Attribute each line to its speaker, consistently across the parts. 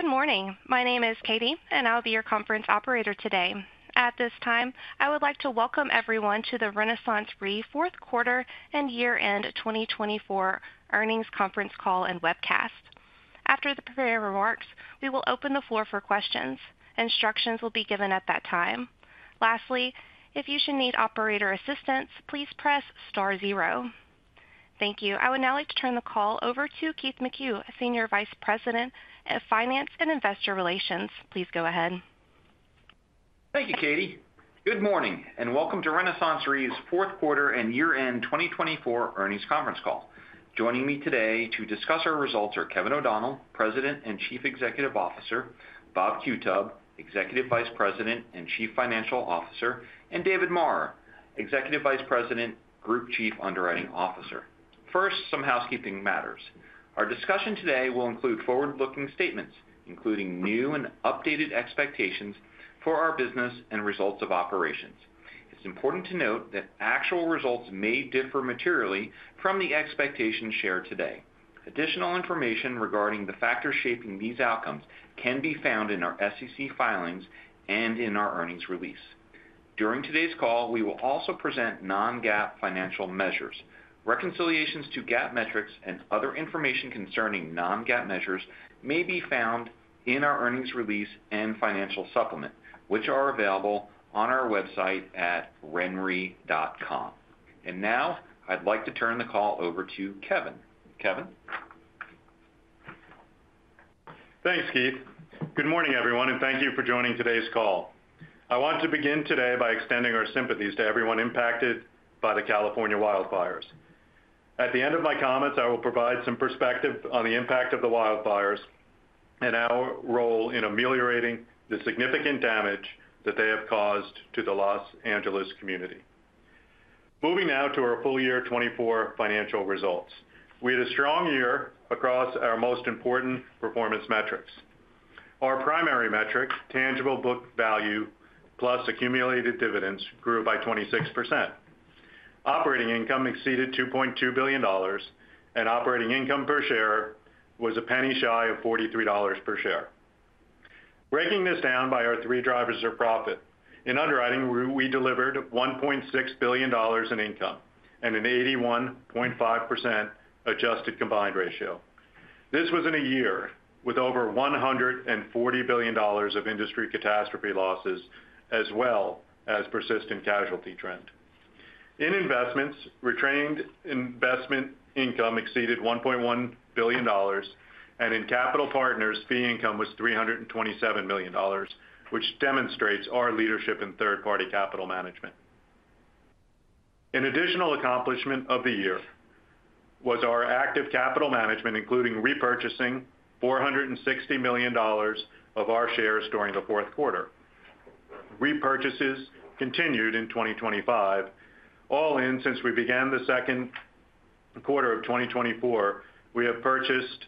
Speaker 1: Good morning. My name is Katie, and I'll be your conference operator today. At this time, I would like to welcome everyone to the RenaissanceRe 4th Quarter and Year-End 2024 Earnings Conference Call and Webcast. After the prepared remarks, we will open the floor for questions. Instructions will be given at that time. Lastly, if you should need operator assistance, please press star zero. Thank you. I would now like to turn the call over to Keith McCue, Senior Vice President of Finance and Investor Relations. Please go ahead.
Speaker 2: Thank you, Katie. Good morning, and welcome to RenaissanceRe's 4th Quarter and Year-End 2024 Earnings Conference Call. Joining me today to discuss our results are Kevin O'Donnell, President and Chief Executive Officer, Bob Qutub, Executive Vice President and Chief Financial Officer, and David Marra, Executive Vice President, Group Chief Underwriting Officer. First, some housekeeping matters. Our discussion today will include forward-looking statements, including new and updated expectations for our business and results of operations. It's important to note that actual results may differ materially from the expectations shared today. Additional information regarding the factors shaping these outcomes can be found in our SEC filings and in our earnings release. During today's call, we will also present non-GAAP financial measures. Reconciliations to GAAP metrics and other information concerning non-GAAP measures may be found in our earnings release and financial supplement, which are available on our website at renre.com. And now, I'd like to turn the call over to Kevin. Kevin.
Speaker 3: Thanks, Keith. Good morning, everyone, and thank you for joining today's call. I want to begin today by extending our sympathies to everyone impacted by the California wildfires. At the end of my comments, I will provide some perspective on the impact of the wildfires and our role in ameliorating the significant damage that they have caused to the Los Angeles community. Moving now to our full year 2024 financial results, we had a strong year across our most important performance metrics. Our primary metric, tangible book value plus accumulated dividends, grew by 26%. Operating income exceeded $2.2 billion, and operating income per share was a penny shy of $43 per share. Breaking this down by our three drivers of profit, in underwriting, we delivered $1.6 billion in income and an 81.5% adjusted combined ratio. This was in a year with over $140 billion of industry catastrophe losses, as well as persistent casualty trend. In investments, retained investment income exceeded $1.1 billion, and in Capital Partners, fee income was $327 million, which demonstrates our leadership in third-party capital management. An additional accomplishment of the year was our active capital management, including repurchasing $460 million of our shares during the fourth quarter. Repurchases continued in 2025. All in, since we began the second quarter of 2024, we have purchased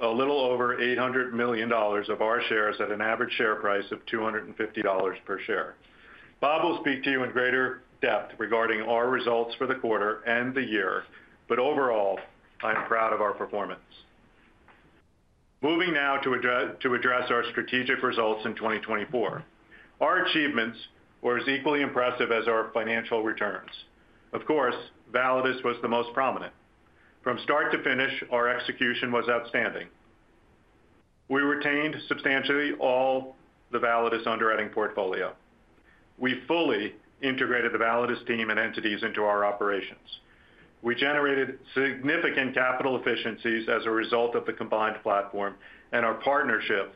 Speaker 3: a little over $800 million of our shares at an average share price of $250 per share. Bob will speak to you in greater depth regarding our results for the quarter and the year, but overall, I'm proud of our performance. Moving now to address our strategic results in 2024, our achievements were as equally impressive as our financial returns. Of course, Validus was the most prominent. From start to finish, our execution was outstanding. We retained substantially all the Validus underwriting portfolio. We fully integrated the Validus team and entities into our operations. We generated significant capital efficiencies as a result of the combined platform, and our partnership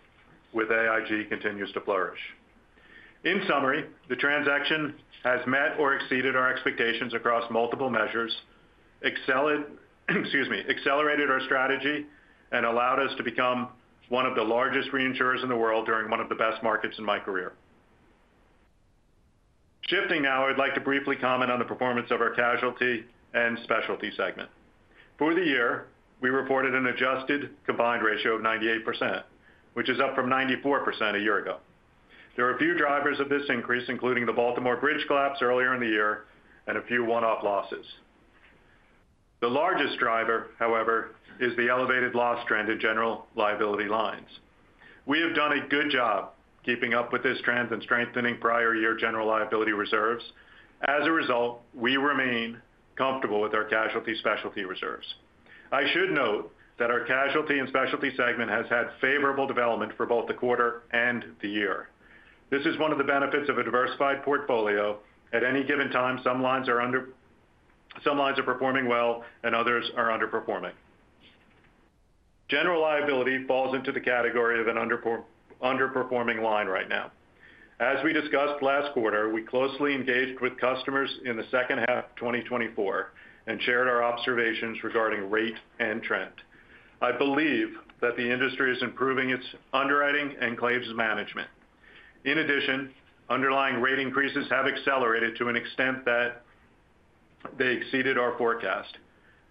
Speaker 3: with AIG continues to flourish. In summary, the transaction has met or exceeded our expectations across multiple measures, accelerated our strategy, and allowed us to become one of the largest reinsurers in the world during one of the best markets in my career. Shifting now, I would like to briefly comment on the performance of our casualty and specialty segment. For the year, we reported an adjusted combined ratio of 98%, which is up from 94% a year ago. There are a few drivers of this increase, including the Baltimore bridge collapse earlier in the year and a few one-off losses. The largest driver, however, is the elevated loss trend in general liability lines. We have done a good job keeping up with this trend and strengthening prior year general liability reserves. As a result, we remain comfortable with our casualty specialty reserves. I should note that our casualty and specialty segment has had favorable development for both the quarter and the year. This is one of the benefits of a diversified portfolio. At any given time, some lines are performing well, and others are underperforming. General liability falls into the category of an underperforming line right now. As we discussed last quarter, we closely engaged with customers in the second half of 2024 and shared our observations regarding rate and trend. I believe that the industry is improving its underwriting and claims management. In addition, underlying rate increases have accelerated to an extent that they exceeded our forecast.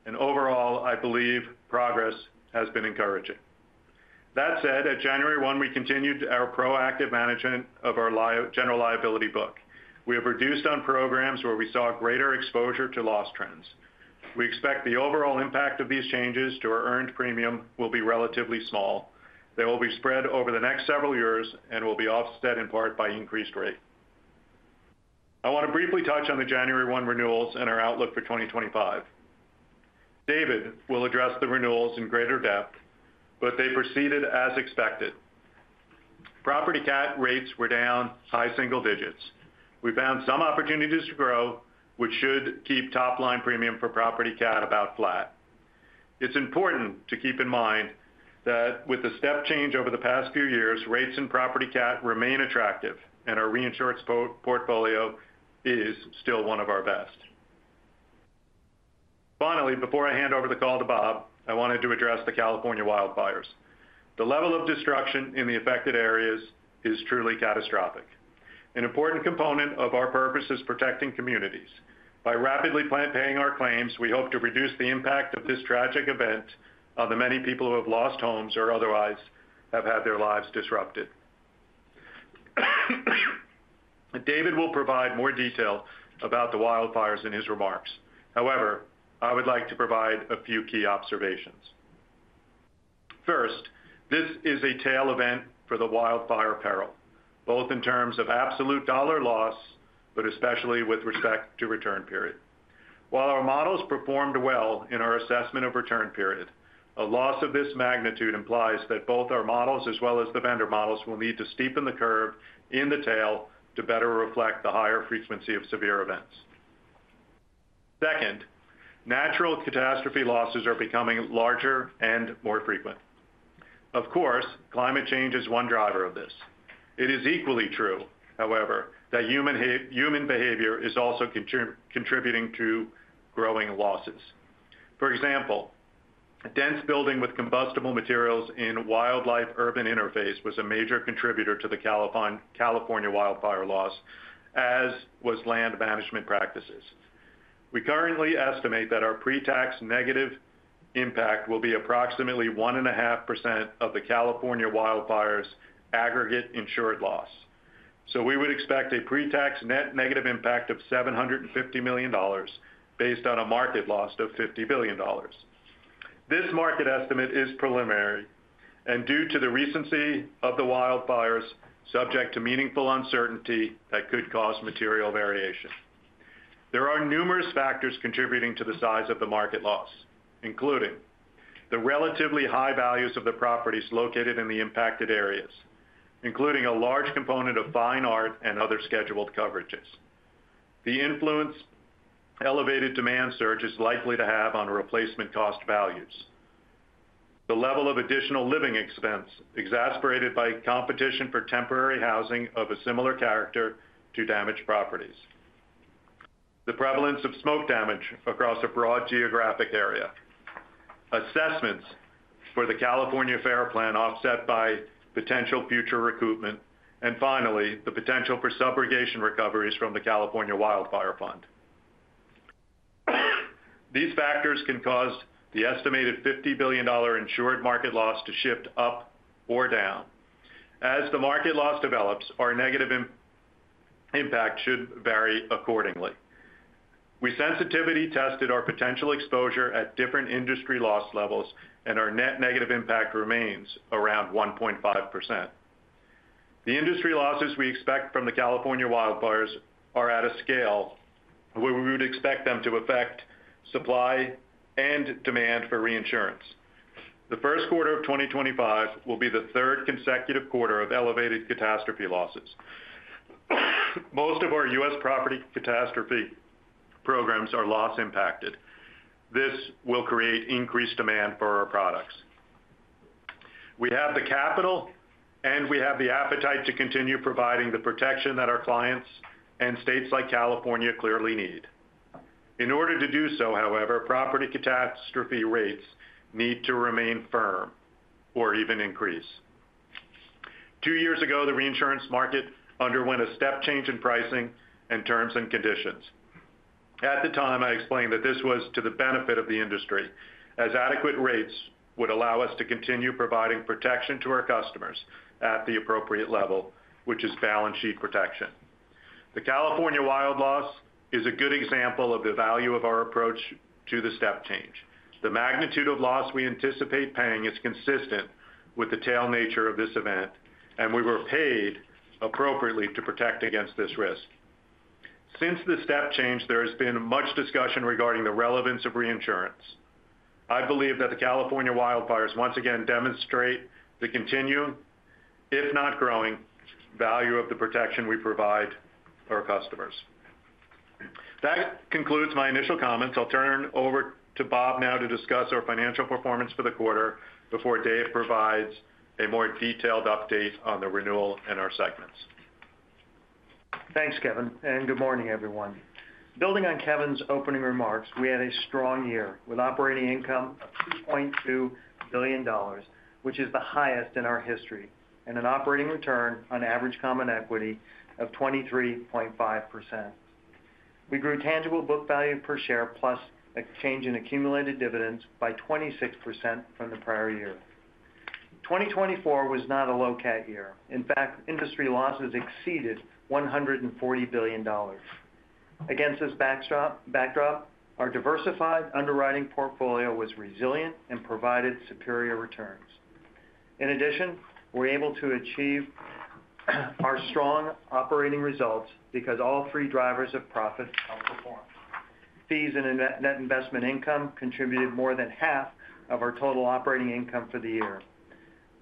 Speaker 3: And overall, I believe progress has been encouraging. That said, at January 1, we continued our proactive management of our general liability book. We have reduced on programs where we saw greater exposure to loss trends. We expect the overall impact of these changes to our earned premium will be relatively small. They will be spread over the next several years and will be offset in part by increased rate. I want to briefly touch on the January 1 renewals and our outlook for 2025. David will address the renewals in greater depth, but they proceeded as expected. Property CAT rates were down high single digits. We found some opportunities to grow, which should keep top-line premium for Property CAT about flat. It's important to keep in mind that with the step change over the past few years, rates in Property CAT remain attractive, and our reinsurance portfolio is still one of our best. Finally, before I hand over the call to Bob, I wanted to address the California wildfires. The level of destruction in the affected areas is truly catastrophic. An important component of our purpose is protecting communities. By rapidly paying our claims, we hope to reduce the impact of this tragic event on the many people who have lost homes or otherwise have had their lives disrupted. David will provide more detail about the wildfires in his remarks. However, I would like to provide a few key observations. First, this is a tail event for the wildfire peril, both in terms of absolute dollar loss, but especially with respect to return period. While our models performed well in our assessment of return period, a loss of this magnitude implies that both our models as well as the vendor models will need to steepen the curve in the tail to better reflect the higher frequency of severe events. Second, natural catastrophe losses are becoming larger and more frequent. Of course, climate change is one driver of this. It is equally true, however, that human behavior is also contributing to growing losses. For example, a dense building with combustible materials in wildland urban interface was a major contributor to the California wildfire loss, as was land management practices. We currently estimate that our pre-tax negative impact will be approximately 1.5% of the California wildfires' aggregate insured loss. So we would expect a pre-tax net negative impact of $750 million based on a market loss of $50 billion. This market estimate is preliminary, and due to the recency of the wildfires, subject to meaningful uncertainty that could cause material variation. There are numerous factors contributing to the size of the market loss, including the relatively high values of the properties located in the impacted areas, including a large component of fine art and other scheduled coverages. The influence elevated demand surge is likely to have on replacement cost values. The level of additional living expense exacerbated by competition for temporary housing of a similar character to damaged properties. The prevalence of smoke damage across a broad geographic area. Assessments for the California FAIR Plan offset by potential future recoupment. And finally, the potential for subrogation recoveries from the California Wildfire Fund. These factors can cause the estimated $50 billion insured market loss to shift up or down. As the market loss develops, our negative impact should vary accordingly. We sensitivity tested our potential exposure at different industry loss levels, and our net negative impact remains around 1.5%. The industry losses we expect from the California wildfires are at a scale where we would expect them to affect supply and demand for reinsurance. The first quarter of 2025 will be the third consecutive quarter of elevated catastrophe losses. Most of our U.S. property catastrophe programs are loss impacted. This will create increased demand for our products. We have the capital, and we have the appetite to continue providing the protection that our clients and states like California clearly need. In order to do so, however, property catastrophe rates need to remain firm or even increase. Two years ago, the reinsurance market underwent a step change in pricing and terms and conditions. At the time, I explained that this was to the benefit of the industry, as adequate rates would allow us to continue providing protection to our customers at the appropriate level, which is balance sheet protection. The California wildfire loss is a good example of the value of our approach to the step change. The magnitude of loss we anticipate paying is consistent with the tail nature of this event, and we were paid appropriately to protect against this risk. Since the step change, there has been much discussion regarding the relevance of reinsurance. I believe that the California wildfires once again demonstrate the continuing, if not growing, value of the protection we provide our customers. That concludes my initial comments. I'll turn over to Bob now to discuss our financial performance for the quarter before Dave provides a more detailed update on the renewal and our segments.
Speaker 4: Thanks, Kevin, and good morning, everyone. Building on Kevin's opening remarks, we had a strong year with operating income of $2.2 billion, which is the highest in our history, and an operating return on average common equity of 23.5%. We grew tangible book value per share plus a change in accumulated dividends by 26% from the prior year. 2024 was not a low cat year. In fact, industry losses exceeded $140 billion. Against this backdrop, our diversified underwriting portfolio was resilient and provided superior returns. In addition, we were able to achieve our strong operating results because all three drivers of profit outperformed. Fees and net investment income contributed more than half of our total operating income for the year.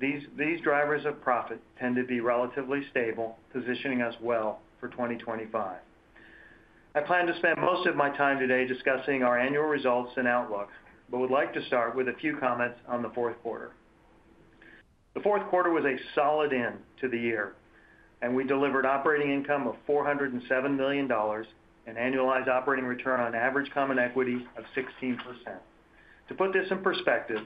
Speaker 4: These drivers of profit tend to be relatively stable, positioning us well for 2025. I plan to spend most of my time today discussing our annual results and outlook, but would like to start with a few comments on the fourth quarter. The fourth quarter was a solid end to the year, and we delivered operating income of $407 million and annualized operating return on average common equity of 16%. To put this in perspective,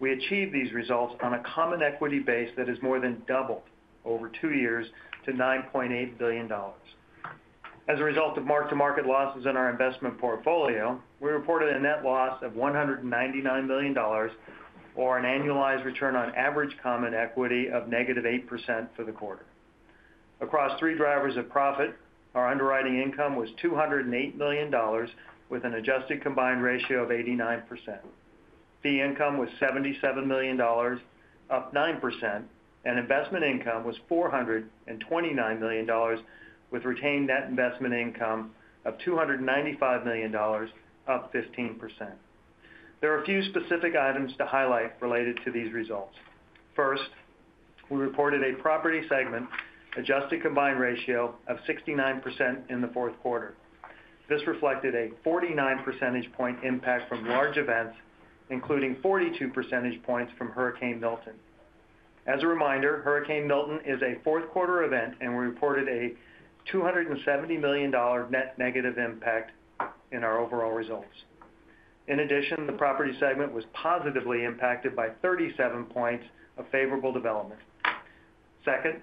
Speaker 4: we achieved these results on a common equity base that has more than doubled over two years to $9.8 billion. As a result of mark-to-market losses in our investment portfolio, we reported a net loss of $199 million, or an annualized return on average common equity of negative 8% for the quarter. Across three drivers of profit, our underwriting income was $208 million, with an adjusted combined ratio of 89%. Fee income was $77 million, up 9%, and investment income was $429 million, with retained net investment income of $295 million, up 15%. There are a few specific items to highlight related to these results. First, we reported a property segment adjusted combined ratio of 69% in the fourth quarter. This reflected a 49 percentage point impact from large events, including 42 percentage points from Hurricane Milton. As a reminder, Hurricane Milton is a fourth quarter event, and we reported a $270 million net negative impact in our overall results. In addition, the property segment was positively impacted by 37 points of favorable development. Second,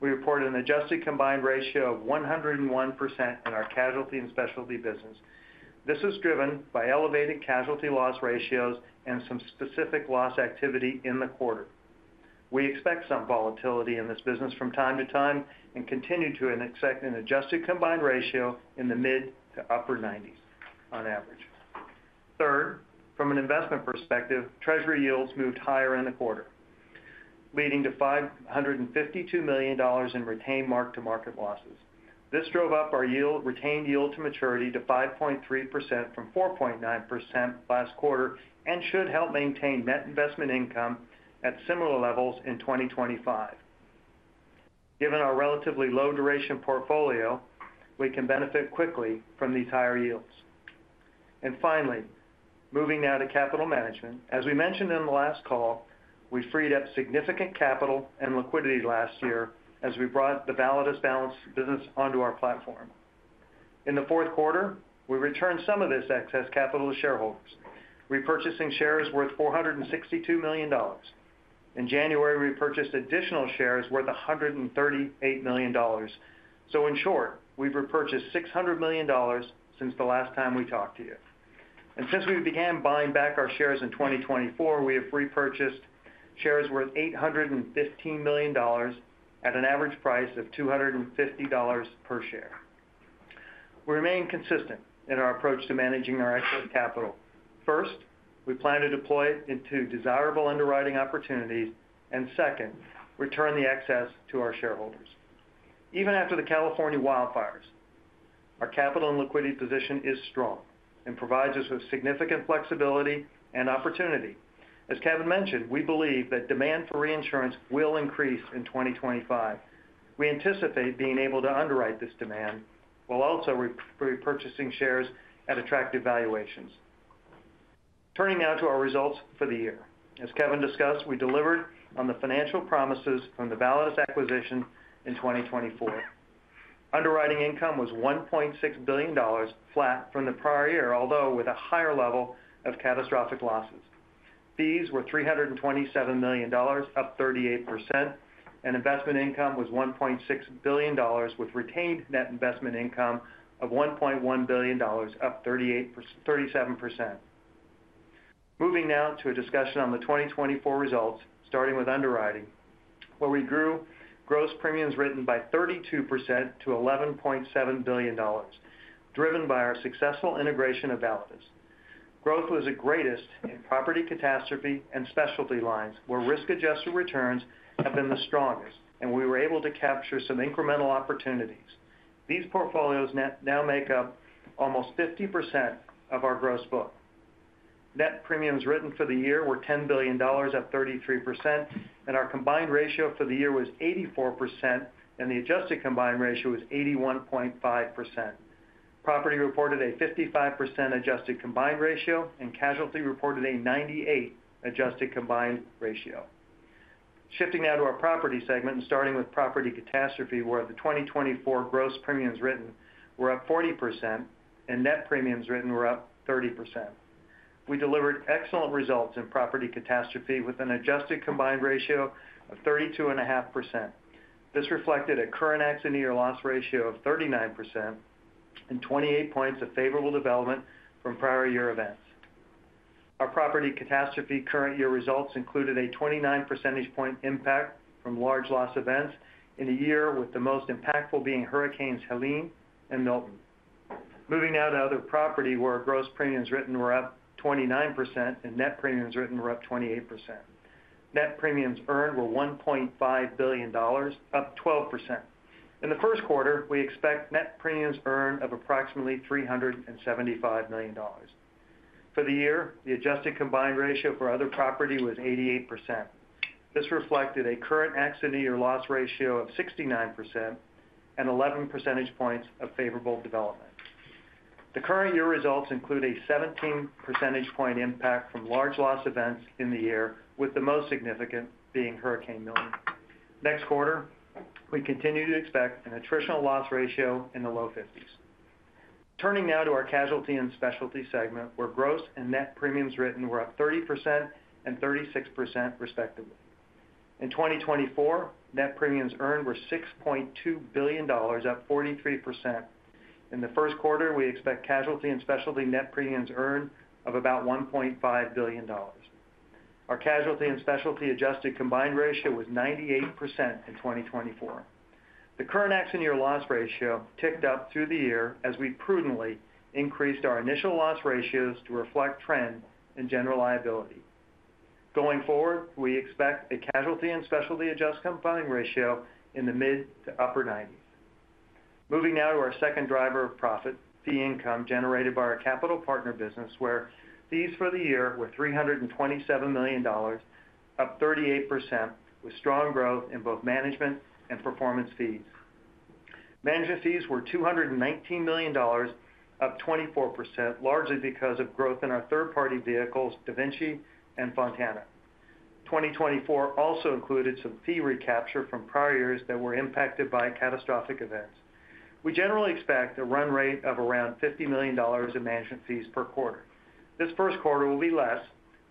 Speaker 4: we reported an adjusted combined ratio of 101% in our casualty and specialty business. This was driven by elevated casualty loss ratios and some specific loss activity in the quarter. We expect some volatility in this business from time to time and continue to expect an adjusted combined ratio in the mid- to upper 90s on average. Third, from an investment perspective, Treasury yields moved higher in the quarter, leading to $552 million in retained mark-to-market losses. This drove up our retained yield to maturity to 5.3% from 4.9% last quarter and should help maintain net investment income at similar levels in 2025. Given our relatively low duration portfolio, we can benefit quickly from these higher yields. And finally, moving now to capital management. As we mentioned in the last call, we freed up significant capital and liquidity last year as we brought the Validus balance sheet onto our platform. In the fourth quarter, we returned some of this excess capital to shareholders, repurchasing shares worth $462 million. In January, we purchased additional shares worth $138 million. In short, we've repurchased $600 million since the last time we talked to you. Since we began buying back our shares in 2024, we have repurchased shares worth $815 million at an average price of $250 per share. We remain consistent in our approach to managing our excess capital. First, we plan to deploy it into desirable underwriting opportunities, and second, return the excess to our shareholders. Even after the California wildfires, our capital and liquidity position is strong and provides us with significant flexibility and opportunity. As Kevin mentioned, we believe that demand for reinsurance will increase in 2025. We anticipate being able to underwrite this demand while also repurchasing shares at attractive valuations. Turning now to our results for the year. As Kevin discussed, we delivered on the financial promises from the Validus acquisition in 2024. Underwriting income was $1.6 billion, flat from the prior year, although with a higher level of catastrophic losses. Fees were $327 million, up 38%, and investment income was $1.6 billion, with retained net investment income of $1.1 billion, up 37%. Moving now to a discussion on the 2024 results, starting with underwriting, where we grew gross premiums written by 32% to $11.7 billion, driven by our successful integration of Validus. Growth was the greatest in property catastrophe and specialty lines, where risk-adjusted returns have been the strongest, and we were able to capture some incremental opportunities. These portfolios now make up almost 50% of our gross book. Net premiums written for the year were $10 billion, up 33%, and our combined ratio for the year was 84%, and the adjusted combined ratio was 81.5%. Property reported a 55% adjusted combined ratio, and casualty reported a 98% adjusted combined ratio. Shifting now to our property segment and starting with property catastrophe, where the 2024 gross premiums written were up 40% and net premiums written were up 30%. We delivered excellent results in property catastrophe with an adjusted combined ratio of 32.5%. This reflected a current accident year loss ratio of 39% and 28 points of favorable development from prior year events. Our property catastrophe current year results included a 29 percentage point impact from large loss events in the year, with the most impactful being Hurricanes Helene and Milton. Moving now to other property, where gross premiums written were up 29% and net premiums written were up 28%. Net premiums earned were $1.5 billion, up 12%. In the first quarter, we expect net premiums earned of approximately $375 million. For the year, the adjusted combined ratio for other property was 88%. This reflected a current accident year loss ratio of 69% and 11 percentage points of favorable development. The current year results include a 17 percentage point impact from large loss events in the year, with the most significant being Hurricane Milton. Next quarter, we continue to expect an attritional loss ratio in the low 50s. Turning now to our casualty and specialty segment, where gross and net premiums written were up 30% and 36%, respectively. In 2024, net premiums earned were $6.2 billion, up 43%. In the first quarter, we expect casualty and specialty net premiums earned of about $1.5 billion. Our casualty and specialty adjusted combined ratio was 98% in 2024. The current accident year loss ratio ticked up through the year as we prudently increased our initial loss ratios to reflect trend and general liability. Going forward, we expect a casualty and specialty adjusted combined ratio in the mid to upper 90s. Moving now to our second driver of profit, fee income generated by our capital partner business, where fees for the year were $327 million, up 38%, with strong growth in both management and performance fees. Management fees were $219 million, up 24%, largely because of growth in our third-party vehicles, DaVinci and Fontana. 2024 also included some fee recapture from prior years that were impacted by catastrophic events. We generally expect a run rate of around $50 million in management fees per quarter. This first quarter will be less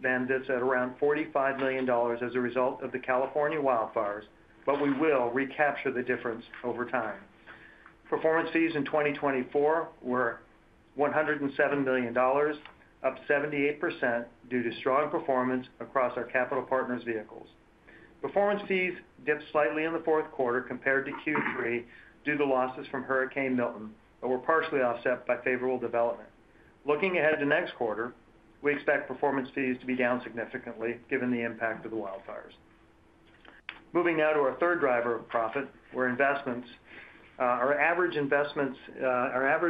Speaker 4: than this at around $45 million as a result of the California wildfires, but we will recapture the difference over time. Performance fees in 2024 were $107 million, up 78% due to strong performance across our capital partners' vehicles. Performance fees dipped slightly in the fourth quarter compared to Q3 due to losses from Hurricane Milton, but were partially offset by favorable development. Looking ahead to next quarter, we expect performance fees to be down significantly given the impact of the wildfires. Moving now to our third driver of profit, where investments, our average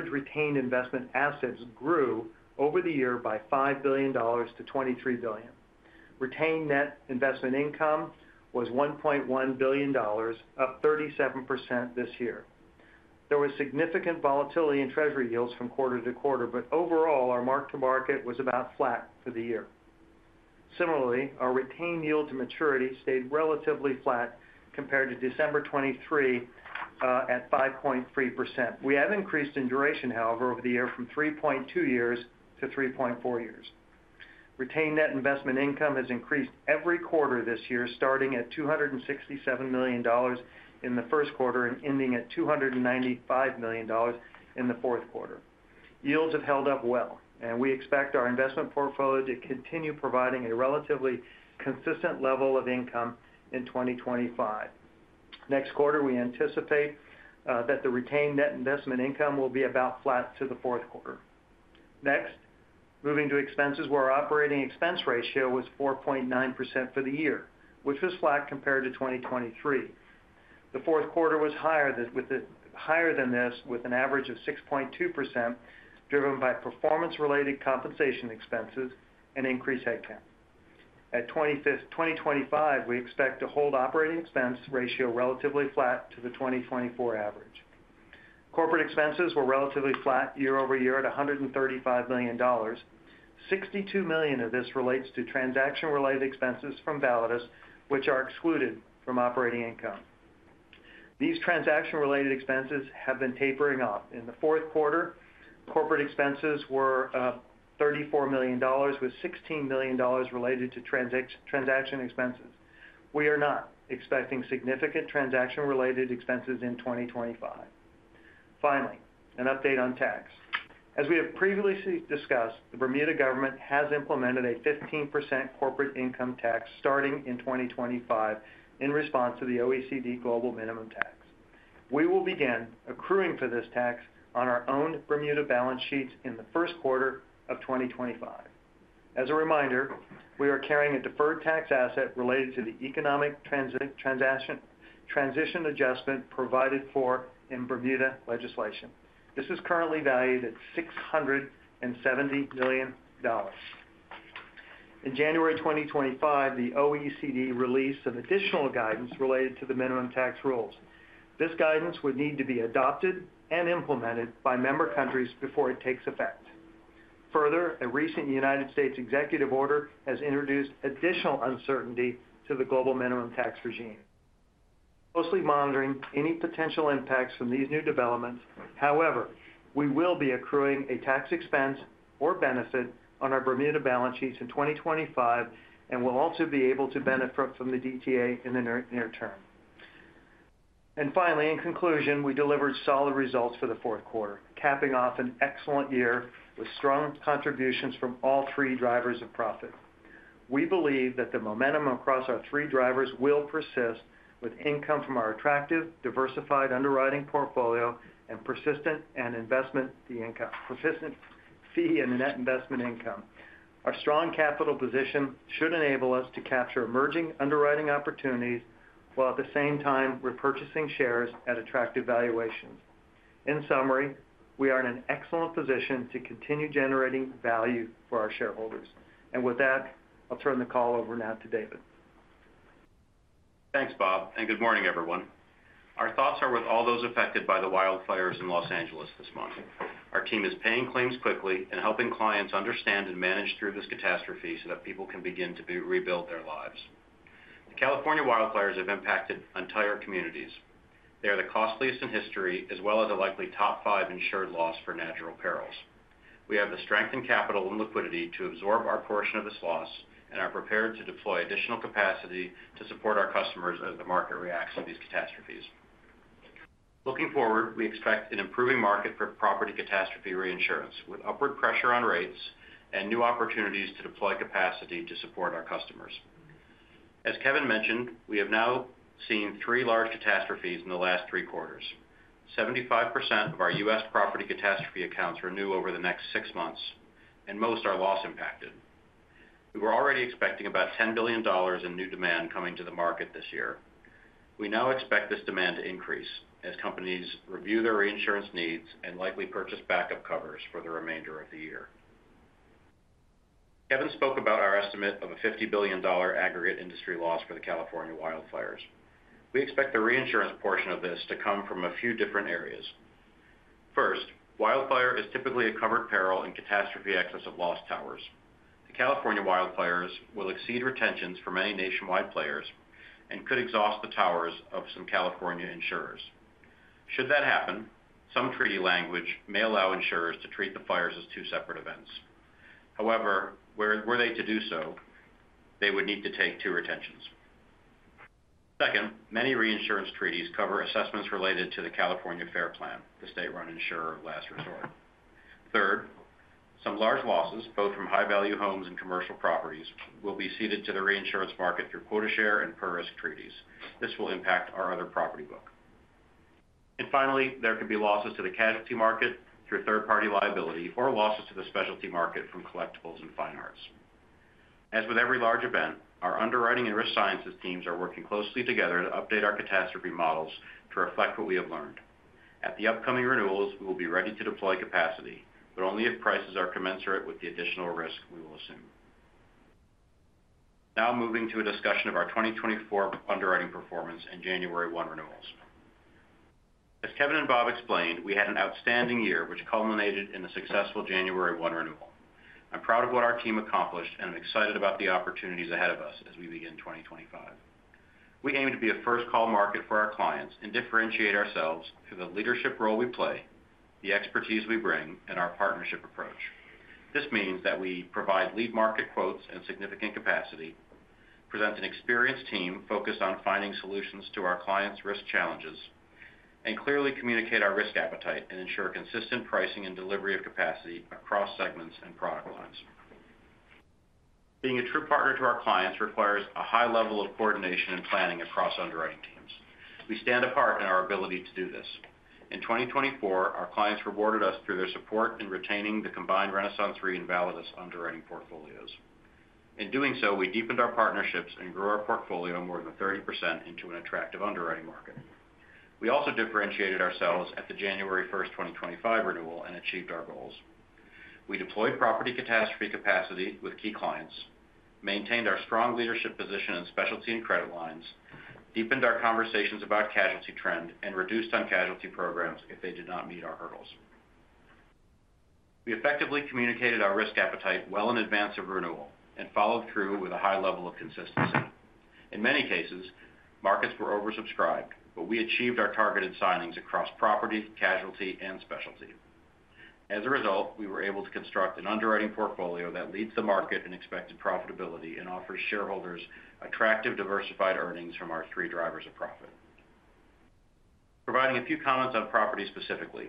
Speaker 4: retained investment assets grew over the year by $5 billion-$23 billion. Retained net investment income was $1.1 billion, up 37% this year. There was significant volatility in Treasury yields from quarter to quarter, but overall, our mark-to-market was about flat for the year. Similarly, our retained yield to maturity stayed relatively flat compared to December 2023 at 5.3%. We have increased in duration, however, over the year from 3.2 years to 3.4 years. Retained net investment income has increased every quarter this year, starting at $267 million in the first quarter and ending at $295 million in the fourth quarter. Yields have held up well, and we expect our investment portfolio to continue providing a relatively consistent level of income in 2025. Next quarter, we anticipate that the retained net investment income will be about flat to the fourth quarter. Next, moving to expenses, where our operating expense ratio was 4.9% for the year, which was flat compared to 2023. The fourth quarter was higher than this with an average of 6.2%, driven by performance-related compensation expenses and increased headcount. For 2025, we expect a hold operating expense ratio relatively flat to the 2024 average. Corporate expenses were relatively flat year over year at $135 million. $62 million of this relates to transaction-related expenses from Validus, which are excluded from operating income. These transaction-related expenses have been tapering off. In the fourth quarter, corporate expenses were $34 million, with $16 million related to transaction expenses. We are not expecting significant transaction-related expenses in 2025. Finally, an update on tax. As we have previously discussed, the Bermuda government has implemented a 15% corporate income tax starting in 2025 in response to the OECD Global Minimum Tax. We will begin accruing for this tax on our own Bermuda balance sheets in the first quarter of 2025. As a reminder, we are carrying a deferred tax asset related to the economic transition adjustment provided for in Bermuda legislation. This is currently valued at $670 million. In January 2025, the OECD released some additional guidance related to the minimum tax rules. This guidance would need to be adopted and implemented by member countries before it takes effect. Further, a recent United States executive order has introduced additional uncertainty to the global minimum tax regime. Closely monitoring any potential impacts from these new developments, however, we will be accruing a tax expense or benefit on our Bermuda balance sheets in 2025 and will also be able to benefit from the DTA in the near term, and finally, in conclusion, we delivered solid results for the fourth quarter, capping off an excellent year with strong contributions from all three drivers of profit. We believe that the momentum across our three drivers will persist with income from our attractive, diversified underwriting portfolio and persistent fee and net investment income. Our strong capital position should enable us to capture emerging underwriting opportunities while at the same time repurchasing shares at attractive valuations. In summary, we are in an excellent position to continue generating value for our shareholders. And with that, I'll turn the call over now to David.
Speaker 5: Thanks, Bob, and good morning, everyone. Our thoughts are with all those affected by the wildfires in Los Angeles this month. Our team is paying claims quickly and helping clients understand and manage through this catastrophe so that people can begin to rebuild their lives. The California wildfires have impacted entire communities. They are the costliest in history, as well as a likely top five insured loss for natural perils. We have the strength in capital and liquidity to absorb our portion of this loss and are prepared to deploy additional capacity to support our customers as the market reacts to these catastrophes. Looking forward, we expect an improving market for property catastrophe reinsurance with upward pressure on rates and new opportunities to deploy capacity to support our customers. As Kevin mentioned, we have now seen three large catastrophes in the last three quarters. 75% of our U.S. property catastrophe accounts renew over the next six months, and most are loss impacted. We were already expecting about $10 billion in new demand coming to the market this year. We now expect this demand to increase as companies review their reinsurance needs and likely purchase backup covers for the remainder of the year. Kevin spoke about our estimate of a $50 billion aggregate industry loss for the California wildfires. We expect the reinsurance portion of this to come from a few different areas. First, wildfire is typically a covered peril in catastrophe excess of loss towers. The California wildfires will exceed retentions for many nationwide players and could exhaust the towers of some California insurers. Should that happen, some treaty language may allow insurers to treat the fires as two separate events. However, were they to do so, they would need to take two retentions. Second, many reinsurance treaties cover assessments related to the California FAIR Plan, the state-run insurer of last resort. Third, some large losses, both from high-value homes and commercial properties, will be ceded to the reinsurance market through quota share and per-risk treaties. This will impact our other property book. And finally, there could be losses to the casualty market through third-party liability or losses to the specialty market from collectibles and fine arts. As with every large event, our underwriting and risk sciences teams are working closely together to update our catastrophe models to reflect what we have learned. At the upcoming renewals, we will be ready to deploy capacity, but only if prices are commensurate with the additional risk we will assume. Now moving to a discussion of our 2024 underwriting performance and January 1 renewals. As Kevin and Bob explained, we had an outstanding year, which culminated in a successful January 1 renewal. I'm proud of what our team accomplished and am excited about the opportunities ahead of us as we begin 2025. We aim to be a first-call market for our clients and differentiate ourselves through the leadership role we play, the expertise we bring, and our partnership approach. This means that we provide lead market quotes and significant capacity, present an experienced team focused on finding solutions to our clients' risk challenges, and clearly communicate our risk appetite and ensure consistent pricing and delivery of capacity across segments and product lines. Being a true partner to our clients requires a high level of coordination and planning across underwriting teams. We stand apart in our ability to do this. In 2024, our clients rewarded us through their support in retaining the combined RenaissanceRe and Validus underwriting portfolios. In doing so, we deepened our partnerships and grew our portfolio more than 30% into an attractive underwriting market. We also differentiated ourselves at the January 1st, 2025 renewal and achieved our goals. We deployed property catastrophe capacity with key clients, maintained our strong leadership position in specialty and credit lines, deepened our conversations about casualty trend, and reduced on casualty programs if they did not meet our hurdles. We effectively communicated our risk appetite well in advance of renewal and followed through with a high level of consistency. In many cases, markets were oversubscribed, but we achieved our targeted signings across property, casualty, and specialty. As a result, we were able to construct an underwriting portfolio that leads the market in expected profitability and offers shareholders attractive diversified earnings from our three drivers of profit. Providing a few comments on property specifically.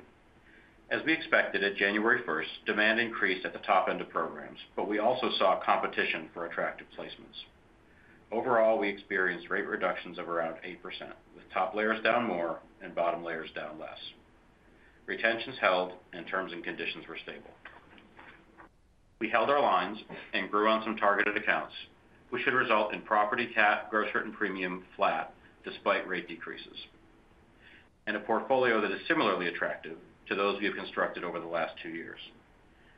Speaker 5: As we expected, at January 1st, demand increased at the top end of programs, but we also saw competition for attractive placements. Overall, we experienced rate reductions of around 8%, with top layers down more and bottom layers down less. Retentions held and terms and conditions were stable. We held our lines and grew on some targeted accounts, which should result in property cat gross written premium flat despite rate decreases, and a portfolio that is similarly attractive to those we have constructed over the last two years.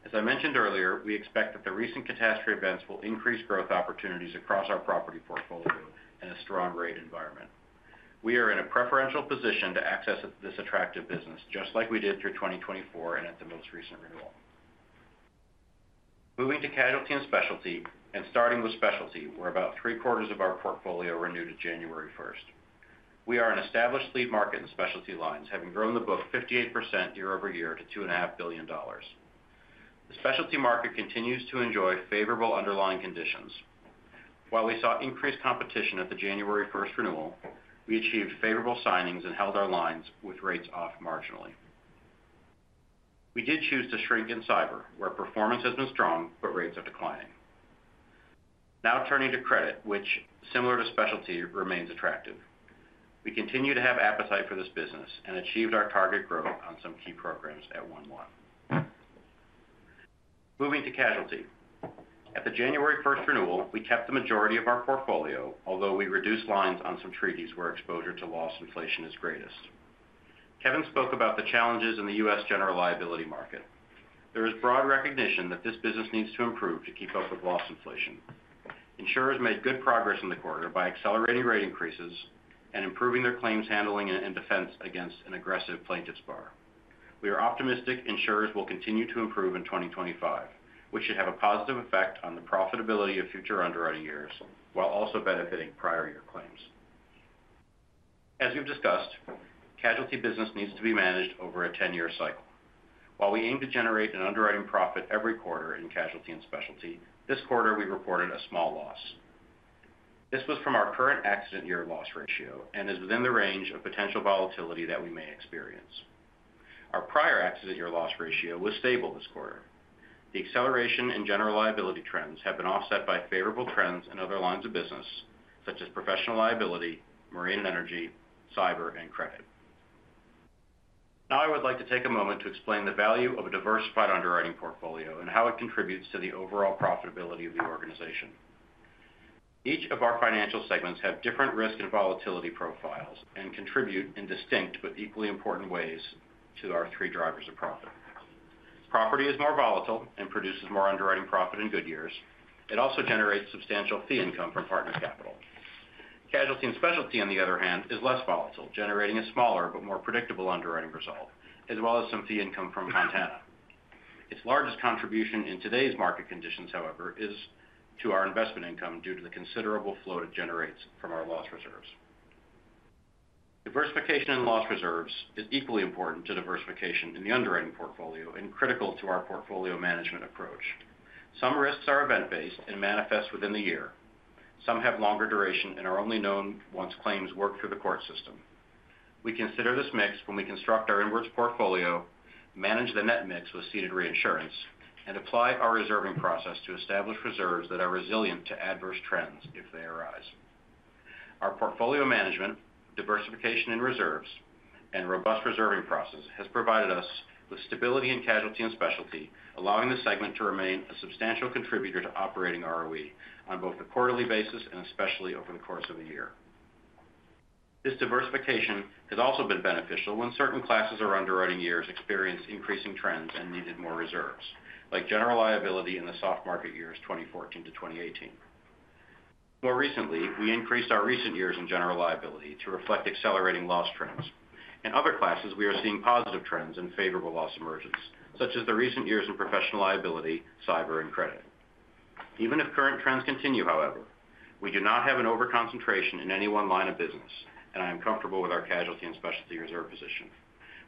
Speaker 5: As I mentioned earlier, we expect that the recent catastrophe events will increase growth opportunities across our property portfolio in a strong rate environment. We are in a preferential position to access this attractive business, just like we did through 2024 and at the most recent renewal. Moving to casualty and specialty, and starting with specialty, where about three-quarters of our portfolio renewed at January 1st. We are an established lead market in specialty lines, having grown the book 58% year over year to $2.5 billion. The specialty market continues to enjoy favorable underlying conditions. While we saw increased competition at the January 1st renewal, we achieved favorable signings and held our lines with rates off marginally. We did choose to shrink in cyber, where performance has been strong, but rates are declining. Now turning to credit, which, similar to specialty, remains attractive. We continue to have appetite for this business and achieved our target growth on some key programs at 1-1. Moving to casualty. At the January 1st renewal, we kept the majority of our portfolio, although we reduced lines on some treaties where exposure to loss inflation is greatest. Kevin spoke about the challenges in the U.S. general liability market. There is broad recognition that this business needs to improve to keep up with loss inflation. Insurers made good progress in the quarter by accelerating rate increases and improving their claims handling and defense against an aggressive plaintiff's bar. We are optimistic insurers will continue to improve in 2025, which should have a positive effect on the profitability of future underwriting years while also benefiting prior year claims. As we've discussed, casualty business needs to be managed over a 10-year cycle. While we aim to generate an underwriting profit every quarter in casualty and specialty, this quarter we reported a small loss. This was from our current accident year loss ratio and is within the range of potential volatility that we may experience. Our prior accident year loss ratio was stable this quarter. The acceleration in general liability trends have been offset by favorable trends in other lines of business, such as professional liability, marine energy, cyber, and credit. Now I would like to take a moment to explain the value of a diversified underwriting portfolio and how it contributes to the overall profitability of the organization. Each of our financial segments have different risk and volatility profiles and contribute in distinct but equally important ways to our three drivers of profit. Property is more volatile and produces more underwriting profit in good years. It also generates substantial fee income from partner capital. Casualty and specialty, on the other hand, is less volatile, generating a smaller but more predictable underwriting result, as well as some fee income from Fontana. Its largest contribution in today's market conditions, however, is to our investment income due to the considerable float it generates from our loss reserves. Diversification in loss reserves is equally important to diversification in the underwriting portfolio and critical to our portfolio management approach. Some risks are event-based and manifest within the year. Some have longer duration and are only known once claims work through the court system. We consider this mix when we construct our inwards portfolio, manage the net mix with ceded reinsurance, and apply our reserving process to establish reserves that are resilient to adverse trends if they arise. Our portfolio management, diversification in reserves, and robust reserving process has provided us with stability in casualty and specialty, allowing the segment to remain a substantial contributor to operating ROE on both a quarterly basis and especially over the course of a year. This diversification has also been beneficial when certain classes or underwriting years experienced increasing trends and needed more reserves, like general liability in the soft market years 2014-2018. More recently, we increased our recent years in general liability to reflect accelerating loss trends. In other classes, we are seeing positive trends and favorable loss emergence, such as the recent years in professional liability, cyber, and credit. Even if current trends continue, however, we do not have an overconcentration in any one line of business, and I am comfortable with our casualty and specialty reserve position.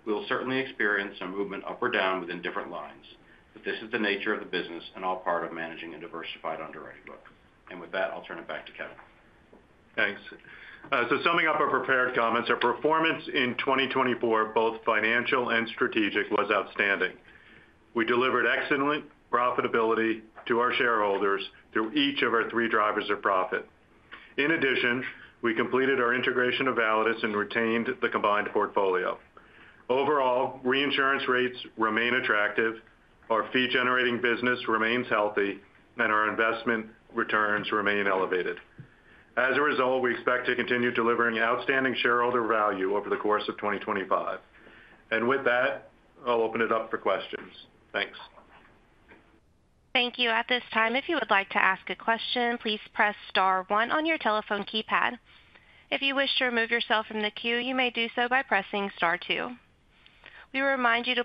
Speaker 5: We will certainly experience some movement up or down within different lines, but this is the nature of the business and all part of managing a diversified underwriting book. And with that, I'll turn it back to Kevin.
Speaker 2: Thanks. So summing up our prepared comments, our performance in 2024, both financial and strategic, was outstanding. We delivered excellent profitability to our shareholders through each of our three drivers of profit. In addition, we completed our integration of Validus and retained the combined portfolio. Overall, reinsurance rates remain attractive, our fee-generating business remains healthy, and our investment returns remain elevated. As a result, we expect to continue delivering outstanding shareholder value over the course of 2025. And with that, I'll open it up for questions. Thanks.
Speaker 1: Thank you. At this time, if you would like to ask a question, please press Star one on your telephone keypad. If you wish to remove yourself from the queue, you may do so by pressing Star two. We remind you to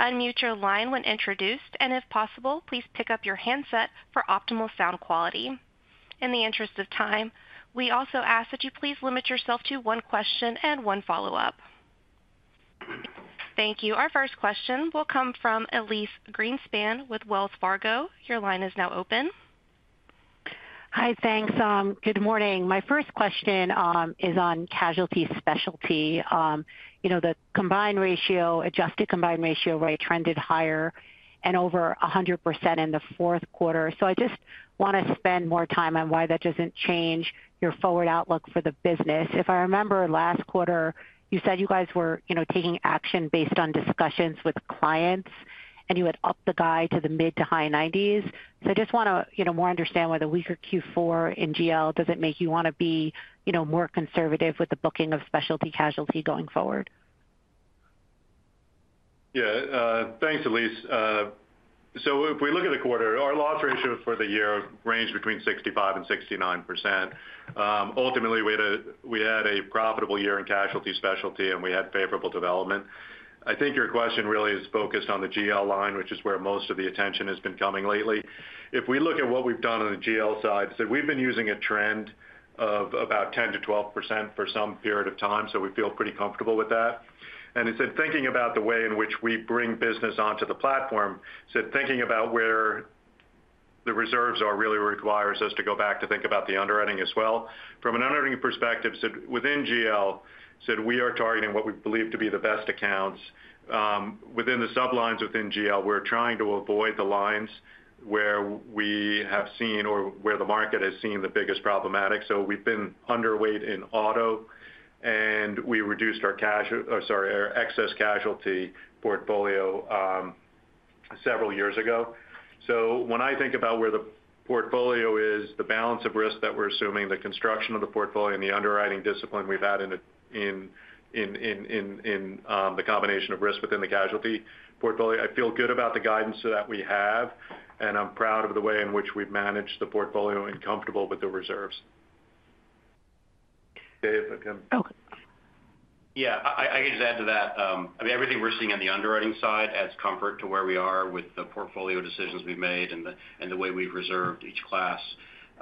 Speaker 1: please unmute your line when introduced, and if possible, please pick up your handset for optimal sound quality. In the interest of time, we also ask that you please limit yourself to one question and one follow-up. Thank you. Our first question will come from Elise Greenspan with Wells Fargo. Your line is now open.
Speaker 6: Hi, thanks. Good morning. My first question is on casualty specialty. The combined ratio, adjusted combined ratio, right, trended higher and over 100% in the fourth quarter. So I just want to spend more time on why that doesn't change your forward outlook for the business. If I remember last quarter, you said you guys were taking action based on discussions with clients, and you had upped the guide to the mid to high 90s. So I just want to more understand why the weaker Q4 in GL doesn't make you want to be more conservative with the booking of specialty casualty going forward.
Speaker 3: Yeah. Thanks, Elise. So if we look at the quarter, our loss ratio for the year ranged between 65% and 69%. Ultimately, we had a profitable year in casualty specialty, and we had favorable development. I think your question really is focused on the GL line, which is where most of the attention has been coming lately. If we look at what we've done on the GL side, so we've been using a trend of about 10%-12% for some period of time, so we feel pretty comfortable with that. Instead, thinking about the way in which we bring business onto the platform, so thinking about where the reserves are really requires us to go back to think about the underwriting as well. From an underwriting perspective, so within GL, so we are targeting what we believe to be the best accounts. Within the sub-lines within GL, we're trying to avoid the lines where we have seen or where the market has seen the biggest problems. We've been underweight in auto, and we reduced our excess casualty portfolio several years ago. So when I think about where the portfolio is, the balance of risk that we're assuming, the construction of the portfolio, and the underwriting discipline we've had in the combination of risk within the casualty portfolio, I feel good about the guidance that we have, and I'm proud of the way in which we've managed the portfolio and comfortable with the reserves. Dave, I can.
Speaker 5: Okay. Yeah. I can just add to that. I mean, everything we're seeing on the underwriting side adds comfort to where we are with the portfolio decisions we've made and the way we've reserved each class.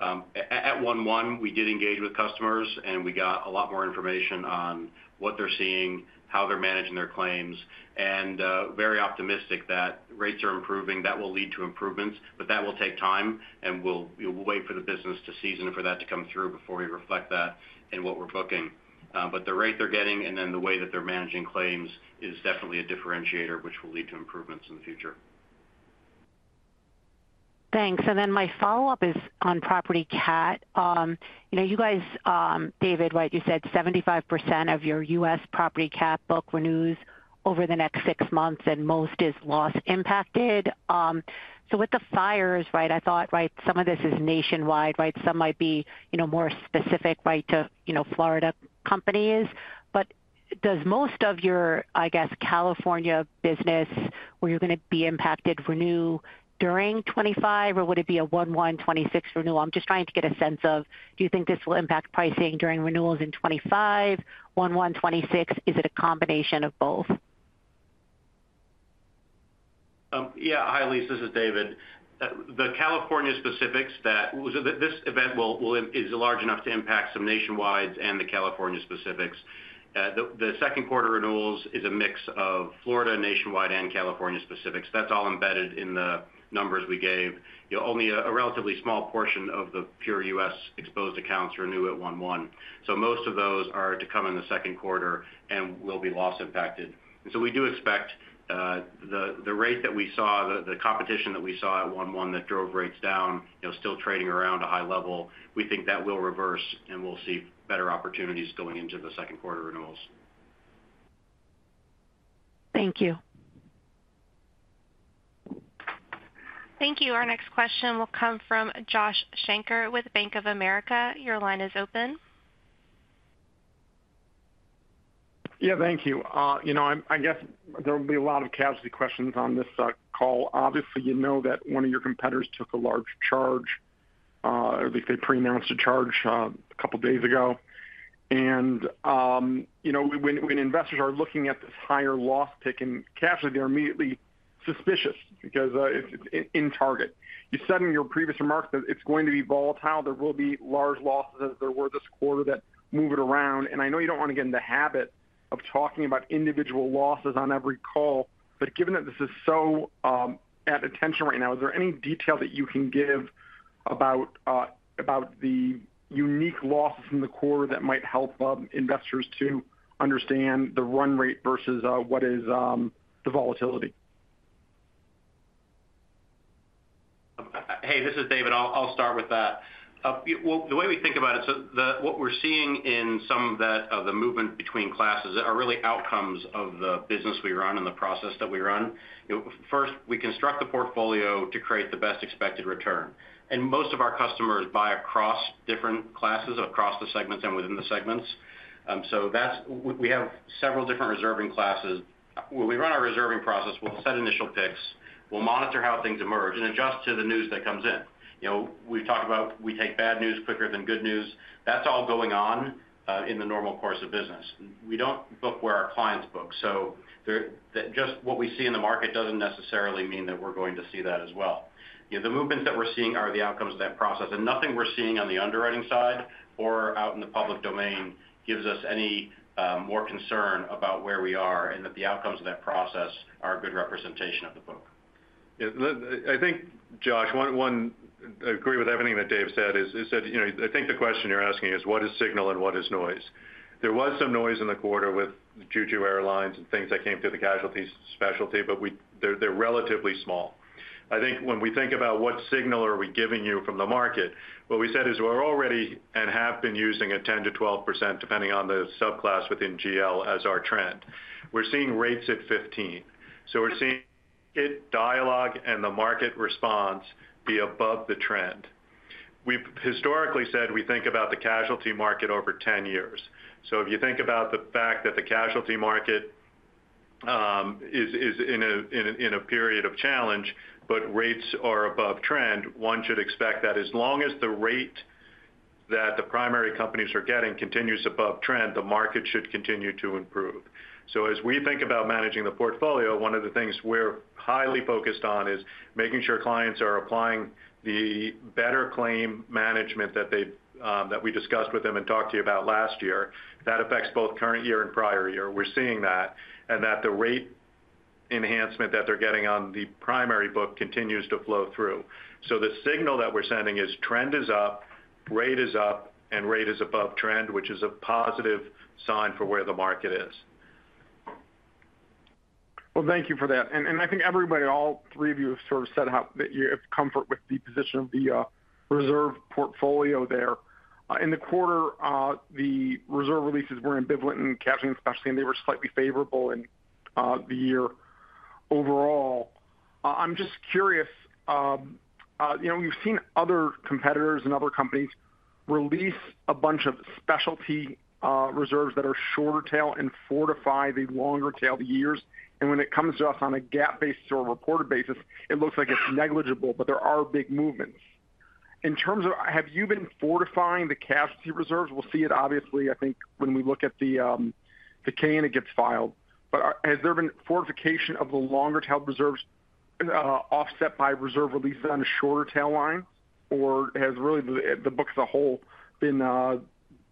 Speaker 5: At 1-1, we did engage with customers, and we got a lot more information on what they're seeing, how they're managing their claims, and very optimistic that rates are improving. That will lead to improvements, but that will take time, and we'll wait for the business to season for that to come through before we reflect that in what we're booking. But the rate they're getting and then the way that they're managing claims is definitely a differentiator, which will lead to improvements in the future.
Speaker 6: Thanks. And then my follow-up is on property cap. You guys, David, right, you said 75% of your U.S. property cap book renews over the next six months, and most is loss impacted. So with the fires, right, I thought, right, some of this is nationwide, right? Some might be more specific, right, to Florida companies. But does most of your, I guess, California business, where you're going to be impacted, renew during 2025, or would it be a January 1, 2026 renewal? I'm just trying to get a sense of, do you think this will impact pricing during renewals in 2025, 1-1-2026? Is it a combination of both?
Speaker 5: Yeah. Hi, Elise. This is David. The California specifics that this event is large enough to impact some nationwide and the California specifics. The second quarter renewals is a mix of Florida, nationwide, and California specifics. That's all embedded in the numbers we gave. Only a relatively small portion of the pure U.S. exposed accounts renew at 1-1. So most of those are to come in the second quarter and will be loss impacted. And so we do expect the rate that we saw, the competition that we saw at 1-1 that drove rates down, still trading around a high level, we think that will reverse, and we'll see better opportunities going into the second quarter renewals.
Speaker 6: Thank you.
Speaker 1: Thank you. Our next question will come from Josh Shanker with Bank of America. Your line is open.
Speaker 7: Yeah. Thank you. I guess there will be a lot of casualty questions on this call. Obviously, you know that one of your competitors took a large charge, or at least they pre-announced a charge a couple of days ago. And when investors are looking at this higher loss taken in casualty, they're immediately suspicious because it's intact. You said in your previous remarks that it's going to be volatile. There will be large losses as there were this quarter that move it around. I know you don't want to get in the habit of talking about individual losses on every call, but given that this is getting so much attention right now, is there any detail that you can give about the unique losses in the quarter that might help investors to understand the run rate versus what is the volatility?
Speaker 5: Hey, this is David. I'll start with that. Well, the way we think about it, so what we're seeing in some of the movement between classes are really outcomes of the business we run and the process that we run. First, we construct the portfolio to create the best expected return. And most of our customers buy across different classes, across the segments and within the segments. So we have several different reserving classes. When we run our reserving process, we'll set initial picks. We'll monitor how things emerge and adjust to the news that comes in. We've talked about we take bad news quicker than good news. That's all going on in the normal course of business. We don't book where our clients book. So just what we see in the market doesn't necessarily mean that we're going to see that as well. The movements that we're seeing are the outcomes of that process. And nothing we're seeing on the underwriting side or out in the public domain gives us any more concern about where we are and that the outcomes of that process are a good representation of the book.
Speaker 3: Yeah. I think, Josh, I agree with everything that Dave said. I think the question you're asking is, what is signal and what is noise? There was some noise in the quarter with JAL Airlines and things that came through the casualty specialty, but they're relatively small. I think when we think about what signal are we giving you from the market, what we said is we're already and have been using a 10%-12%, depending on the subclass within GL, as our trend. We're seeing rates at 15%. So we're seeing it, dialogue, and the market response be above the trend. We've historically said we think about the casualty market over 10 years. So if you think about the fact that the casualty market is in a period of challenge, but rates are above trend, one should expect that as long as the rate that the primary companies are getting continues above trend, the market should continue to improve. So as we think about managing the portfolio, one of the things we're highly focused on is making sure clients are applying the better claim management that we discussed with them and talked to you about last year. That affects both current year and prior year. We're seeing that and that the rate enhancement that they're getting on the primary book continues to flow through. So the signal that we're sending is trend is up, rate is up, and rate is above trend, which is a positive sign for where the market is.
Speaker 7: Well, thank you for that. And I think everybody, all three of you, have sort of said how you have comfort with the position of the reserve portfolio there. In the quarter, the reserve releases were ambivalent in casualty and specialty, and they were slightly favorable in the year overall.
Speaker 4: I'm just curious. You've seen other competitors and other companies release a bunch of specialty reserves that are shorter tail and fortify the longer tail years. And when it comes to us on a GAAP-based or reported basis, it looks like it's negligible, but there are big movements. In terms of, have you been fortifying the casualty reserves? We'll see it, obviously, I think, when we look at the K and it gets filed. But has there been fortification of the longer tail reserves offset by reserve releases on the shorter tail line, or has really the book as a whole been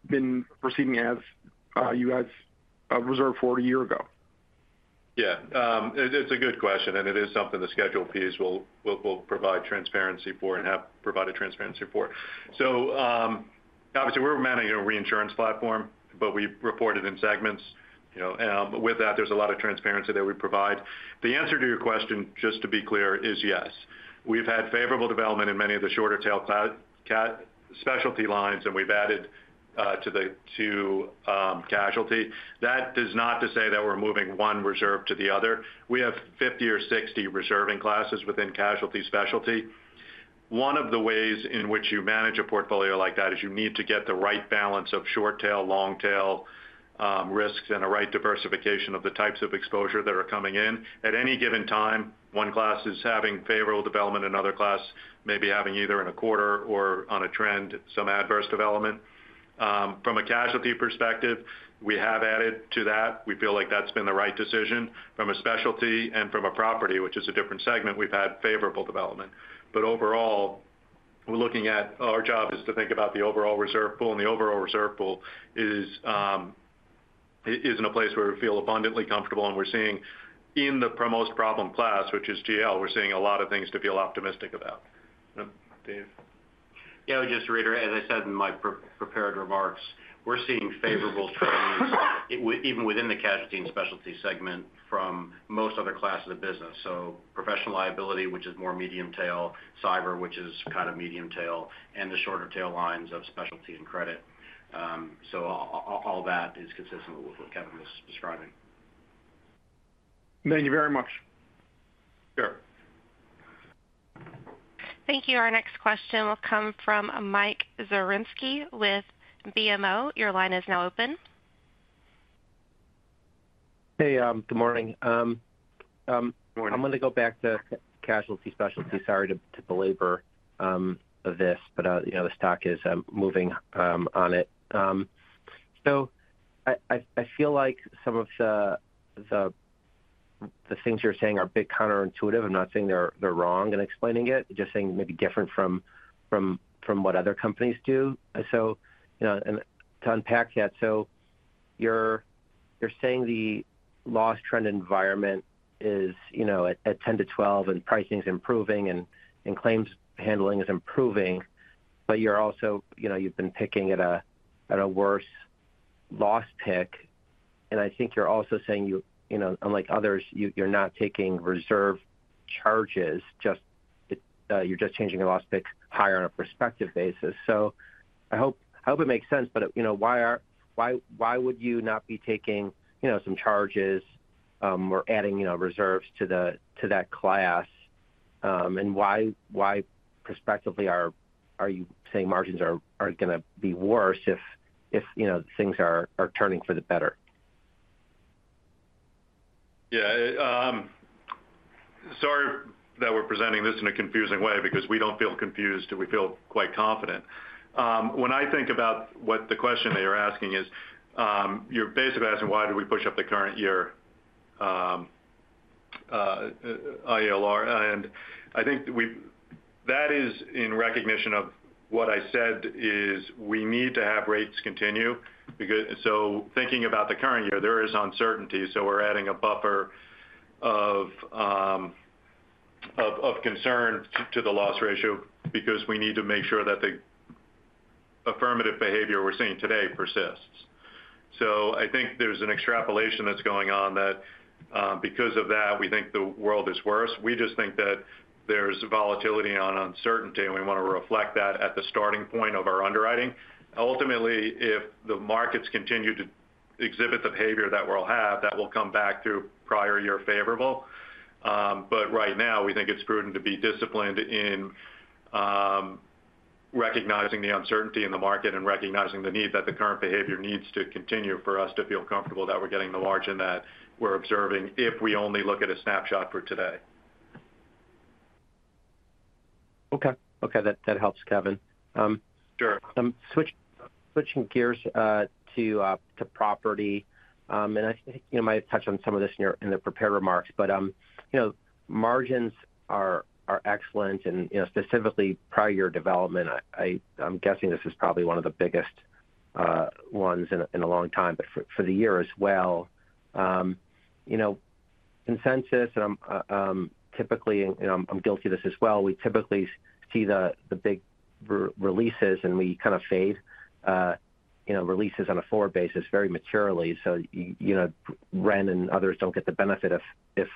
Speaker 4: performing as you guys reserved for a year ago?
Speaker 2: Yeah. It's a good question, and it is something the Schedule P will provide transparency for and have provided transparency for. So obviously, we're managing a reinsurance platform, but we reported in segments. With that, there's a lot of transparency that we provide. The answer to your question, just to be clear, is yes. We've had favorable development in many of the shorter tail specialty lines, and we've added to the true casualty. That is not to say that we're moving one reserve to the other. We have 50 or 60 reserving classes within casualty specialty. One of the ways in which you manage a portfolio like that is you need to get the right balance of short tail, long tail risks, and a right diversification of the types of exposure that are coming in. At any given time, one class is having favorable development, another class may be having either in a quarter or on a trend, some adverse development. From a casualty perspective, we have added to that. We feel like that's been the right decision. From a specialty and from a property, which is a different segment, we've had favorable development. But overall, we're looking at our job is to think about the overall reserve pool, and the overall reserve pool is in a place where we feel abundantly comfortable. And we're seeing in the most problem class, which is GL, we're seeing a lot of things to feel optimistic about. Dave?
Speaker 5: Yeah. I would just reiterate, as I said in my prepared remarks, we're seeing favorable trends even within the casualty and specialty segment from most other classes of business. So professional liability, which is more medium tail, cyber, which is kind of medium tail, and the shorter tail lines of specialty and credit. So all that is consistent with what Kevin was describing.
Speaker 7: Thank you very much.
Speaker 3: Sure.
Speaker 1: Thank you. Our next question will come from Mike Zaremski with BMO. Your line is now open.
Speaker 8: Hey. Good morning. Good morning. I'm going to go back to casualty specialty. Sorry to belabor this, but the stock is moving on it. So I feel like some of the things you're saying are a bit counterintuitive. I'm not saying they're wrong in explaining it, just saying maybe different from what other companies do. So to unpack that, so you're saying the loss trend environment is at 10%-12%, and pricing is improving, and claims handling is improving, but you've been picking at a worse loss pick. And I think you're also saying, unlike others, you're not taking reserve charges. You're just changing a loss pick higher on a prospective basis. So I hope it makes sense, but why would you not be taking some charges or adding reserves to that class? And why prospectively are you saying margins are going to be worse if things are turning for the better?
Speaker 3: Yeah. Sorry that we're presenting this in a confusing way because we don't feel confused. We feel quite confident. When I think about what the question that you're asking is, you're basically asking why did we push up the current year ILR? And I think that is in recognition of what I said is we need to have rates continue. So thinking about the current year, there is uncertainty. So we're adding a buffer of concern to the loss ratio because we need to make sure that the affirmative behavior we're seeing today persists. So I think there's an extrapolation that's going on that because of that, we think the world is worse. We just think that there's volatility on uncertainty, and we want to reflect that at the starting point of our underwriting. Ultimately, if the markets continue to exhibit the behavior that we'll have, that will come back through prior year favorable. But right now, we think it's prudent to be disciplined in recognizing the uncertainty in the market and recognizing the need that the current behavior needs to continue for us to feel comfortable that we're getting the margin that we're observing if we only look at a snapshot for today.
Speaker 8: Okay. Okay. That helps, Kevin. Sure. Switching gears to property, and I think you might have touched on some of this in the prepared remarks, but margins are excellent, and specifically, prior year development, I'm guessing this is probably one of the biggest ones in a long time, but for the year as well. Consensus, and typically, and I'm guilty of this as well, we typically see the big releases, and we kind of fade releases on a forward basis very maturely. So Ren and others don't get the benefit if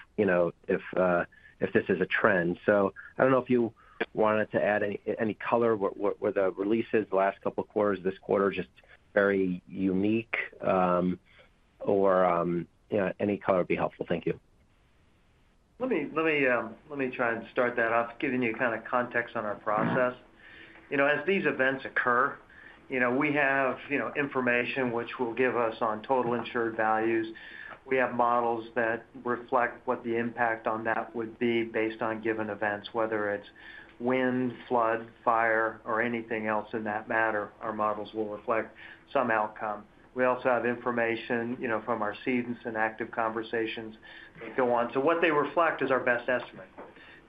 Speaker 8: this is a trend. So I don't know if you wanted to add any color with the releases the last couple of quarters. This quarter is just very unique, or any color would be helpful. Thank you.
Speaker 3: Let me try and start that off, giving you kind of context on our process. As these events occur, we have information which will give us on total insured values. We have models that reflect what the impact on that would be based on given events, whether it's wind, flood, fire, or anything else in that matter. Our models will reflect some outcome. We also have information from our cedents and active conversations that go on. So what they reflect is our best estimate.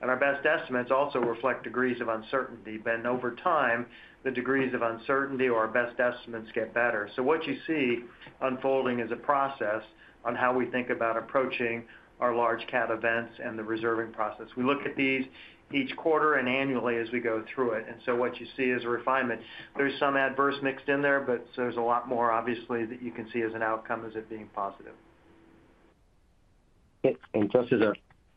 Speaker 3: And our best estimates also reflect degrees of uncertainty. Then over time, the degrees of uncertainty or our best estimates get better. So what you see unfolding is a process on how we think about approaching our large cat events and the reserving process. We look at these each quarter and annually as we go through it. And so what you see is a refinement. There's some adverse mixed in there, but there's a lot more, obviously, that you can see as an outcome as it being positive.
Speaker 8: And just as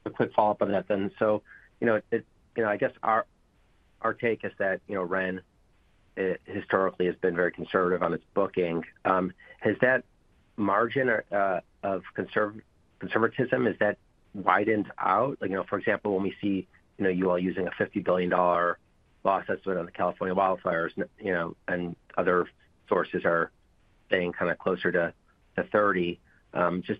Speaker 8: a quick follow-up on that then, so I guess our take is that Ren historically has been very conservative on its booking. Has that margin of conservatism widened out? For example, when we see you all using a $50 billion loss estimate on the California wildfires and other sources are staying kind of closer to $30 billion, just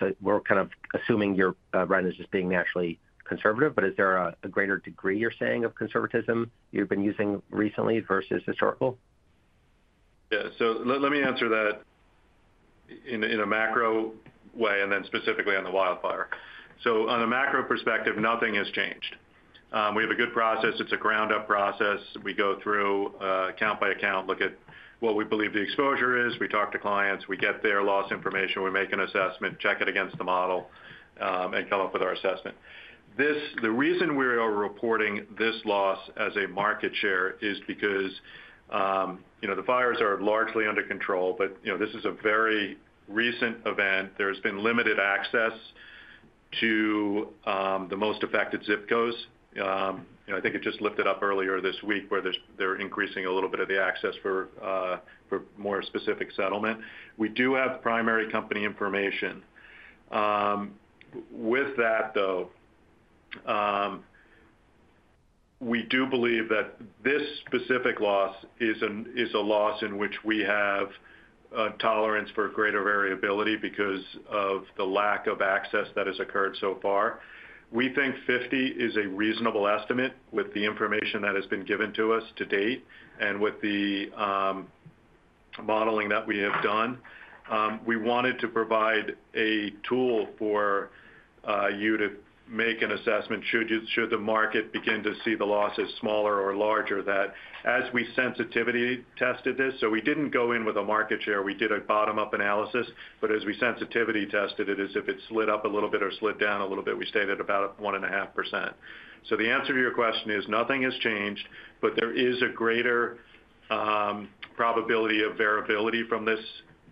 Speaker 8: so we're kind of assuming your Ren is just being naturally conservative, but is there a greater degree you're saying of conservatism you've been using recently versus historical?
Speaker 3: Yeah. Let me answer that in a macro way and then specifically on the wildfire. On a macro perspective, nothing has changed. We have a good process. It is a ground-up process. We go through account by account, look at what we believe the exposure is. We talk to clients. We get their loss information. We make an assessment, check it against the model, and come up with our assessment. The reason we are reporting this loss as a market share is because the fires are largely under control, but this is a very recent event. There has been limited access to the most affected ZIP codes. I think it just lifted up earlier this week where they're increasing a little bit of the access for more specific settlement. We do have primary company information. With that, though, we do believe that this specific loss is a loss in which we have tolerance for greater variability because of the lack of access that has occurred so far. We think 50 is a reasonable estimate with the information that has been given to us to date and with the modeling that we have done. We wanted to provide a tool for you to make an assessment should the market begin to see the losses smaller or larger than as we sensitivity tested this. So we didn't go in with a market share. We did a bottom-up analysis, but as we sensitivity tested it, as if it slid up a little bit or slid down a little bit, we stated about 1.5%. So the answer to your question is nothing has changed, but there is a greater probability of variability from this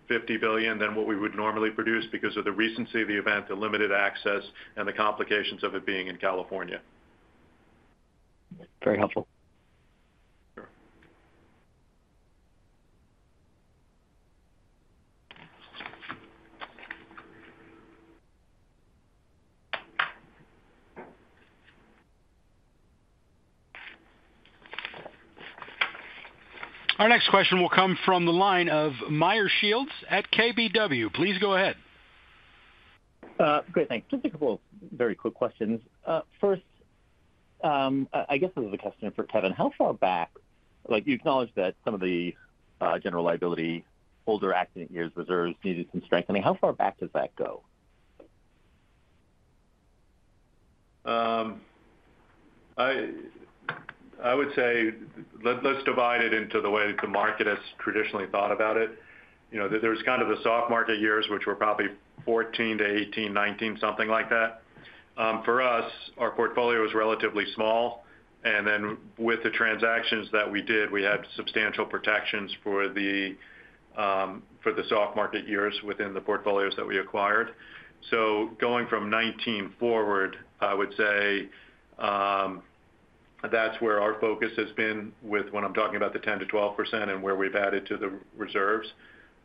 Speaker 3: $50 billion than what we would normally produce because of the recency of the event, the limited access, and the complications of it being in California.
Speaker 8: Very helpful.
Speaker 1: Our next question will come from the line of Meyer Shields at KBW. Please go ahead.
Speaker 9: Great. Thanks. Just a couple of very quick questions. First, I guess as a question for Kevin, how far back you acknowledge that some of the general liability older accident years reserves needed some strengthening. How far back does that go?
Speaker 3: I would say let's divide it into the way the market has traditionally thought about it. There's kind of the soft market years, which were probably 2014-2018, 2019, something like that. For us, our portfolio is relatively small. And then with the transactions that we did, we had substantial protections for the soft market years within the portfolios that we acquired. So going from 2019 forward, I would say that's where our focus has been with when I'm talking about the 10%-12% and where we've added to the reserves.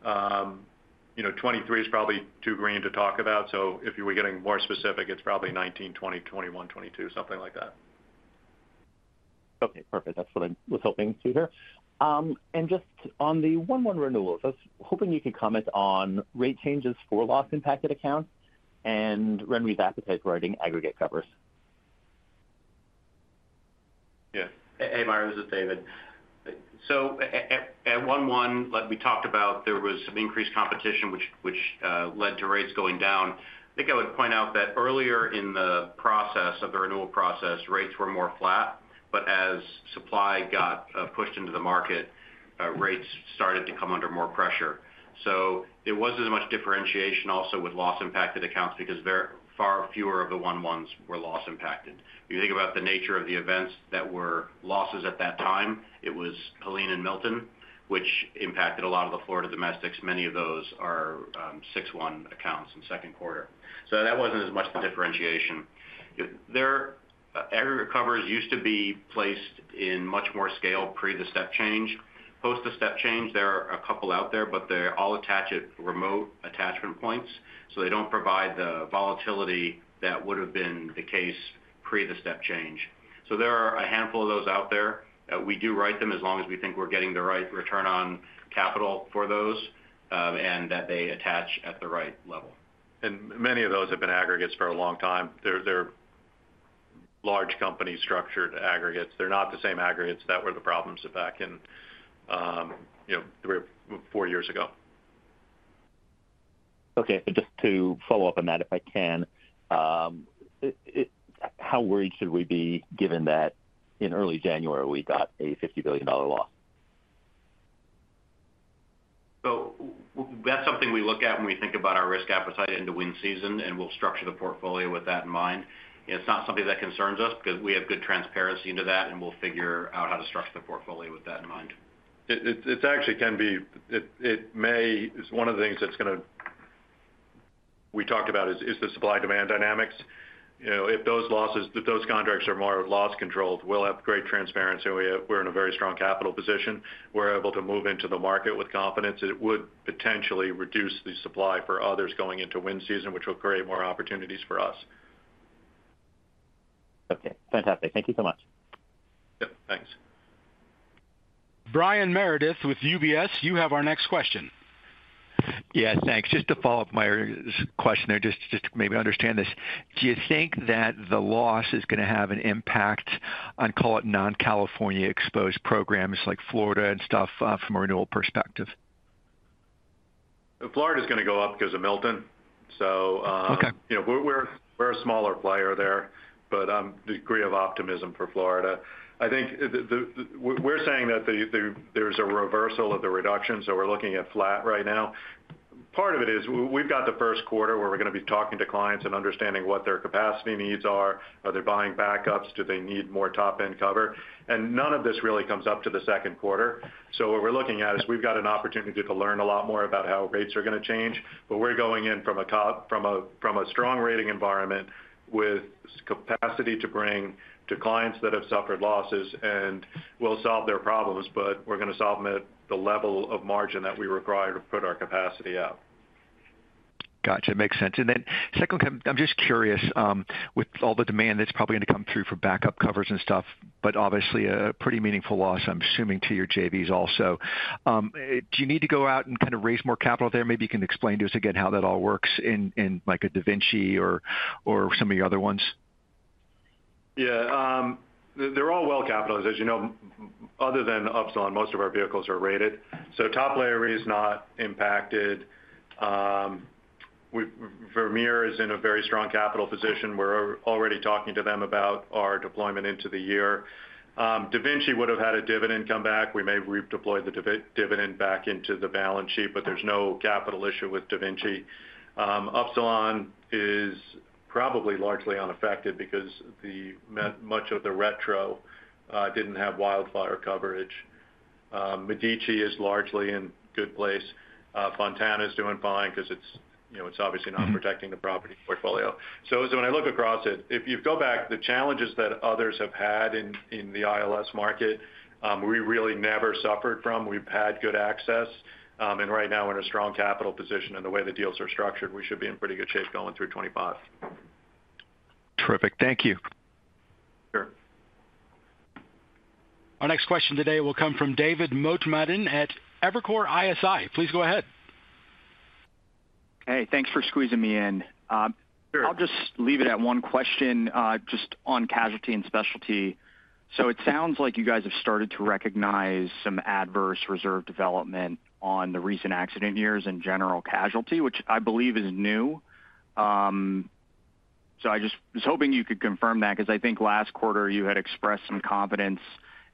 Speaker 3: 2023 is probably too green to talk about. So if you were getting more specific, it's probably 2019, 2020, 2021, 2022, something like that.
Speaker 9: Okay. Perfect. That's what I was hoping to hear. And just on the 1-1 renewals, I was hoping you could comment on rate changes for loss-impacted accounts and RenRe's appetite for writing aggregate covers.
Speaker 5: Yeah. Hey, Meyer. This is David. So at 1-1, we talked about there was some increased competition, which led to rates going down. I think I would point out that earlier in the process of the renewal process, rates were more flat, but as supply got pushed into the market, rates started to come under more pressure. So there wasn't as much differentiation also with loss-impacted accounts because far fewer of the 1-1s were loss-impacted. If you think about the nature of the events that were losses at that time, it was Helene and Milton, which impacted a lot of the Florida domestics. Many of those are 6-1 accounts in second quarter. So that wasn't as much the differentiation. Aggregate covers used to be placed in much more scale pre the step change. Post the step change, there are a couple out there, but they all attach at remote attachment points. So they don't provide the volatility that would have been the case pre the step change. So there are a handful of those out there. We do write them as long as we think we're getting the right return on capital for those and that they attach at the right level. And many of those have been aggregates for a long time. They're large company-structured aggregates. They're not the same aggregates that were the problems back in three or four years ago.
Speaker 9: Okay. So just to follow up on that, if I can, how worried should we be given that in early January, we got a $50 billion loss?
Speaker 6: So that's something we look at when we think about our risk appetite into wind season, and we'll structure the portfolio with that in mind. It's not something that concerns us because we have good transparency into that, and we'll figure out how to structure the portfolio with that in mind. It actually can be. It may. One of the things that's going to, we talked about, is the supply-demand dynamics. If those contracts are more loss-controlled, we'll have great transparency. We're in a very strong capital position. We're able to move into the market with confidence. It would potentially reduce the supply for others going into wind season, which will create more opportunities for us.
Speaker 9: Okay. Fantastic. Thank you so much.
Speaker 3: Yep. Thanks.
Speaker 1: Brian Meredith with UBS. You have our next question.
Speaker 10: Yes. Thanks. Just to follow up on Meyer's question there, just to maybe understand this. Do you think that the loss is going to have an impact on, call it, non-California exposed programs like Florida and stuff from a renewal perspective?
Speaker 3: Florida is going to go up because of Milton. So we're a smaller player there, but the degree of optimism for Florida. I think we're saying that there's a reversal of the reductions, so we're looking at flat right now. Part of it is we've got the first quarter where we're going to be talking to clients and understanding what their capacity needs are. Are they buying backups? Do they need more top-end cover? And none of this really comes up to the second quarter. So what we're looking at is we've got an opportunity to learn a lot more about how rates are going to change, but we're going in from a strong rating environment with capacity to bring to clients that have suffered losses and will solve their problems, but we're going to solve them at the level of margin that we require to put our capacity out.
Speaker 10: Gotcha. Makes sense. And then second, I'm just curious, with all the demand that's probably going to come through for backup covers and stuff, but obviously a pretty meaningful loss, I'm assuming, to your JVs also. Do you need to go out and kind of raise more capital there? Maybe you can explain to us again how that all works in a DaVinci or some of your other ones.
Speaker 3: Yeah. They're all well-capitalized, as you know. Other than Upsilon, most of our vehicles are rated. So Top Layer is not impacted. Vermeer is in a very strong capital position. We're already talking to them about our deployment into the year. DaVinci would have had a dividend come back. We may have redeployed the dividend back into the balance sheet, but there's no capital issue with DaVinci. Upsilon is probably largely unaffected because much of the retro didn't have wildfire coverage. Medici is largely in good place. Fontana is doing fine because it's obviously not protecting the property portfolio. So when I look across it, if you go back, the challenges that others have had in the ILS market, we really never suffered from. We've had good access. And right now, we're in a strong capital position in the way the deals are structured. We should be in pretty good shape going through 2025.
Speaker 10: Terrific. Thank you. Sure.
Speaker 1: Our next question today will come from David Motemaden at Evercore ISI. Please go ahead.
Speaker 11: Hey, thanks for squeezing me in. I'll just leave it at one question just on casualty and specialty. So it sounds like you guys have started to recognize some adverse reserve development on the recent accident years and general casualty, which I believe is new. So I just was hoping you could confirm that because I think last quarter you had expressed some confidence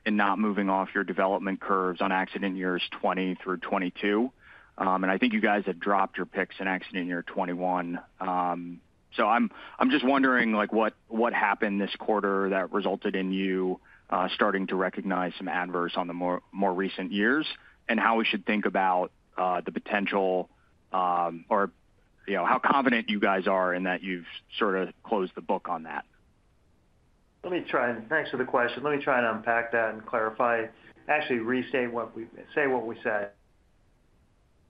Speaker 11: in not moving off your development curves on accident years 2020 through 2022. And I think you guys had dropped your picks in accident year 2021. So I'm just wondering what happened this quarter that resulted in you starting to recognize some adverse on the more recent years and how we should think about the potential or how confident you guys are in that you've sort of closed the book on that.
Speaker 4: Let me try and thanks for the question. Let me try and unpack that and clarify. Actually, say what we said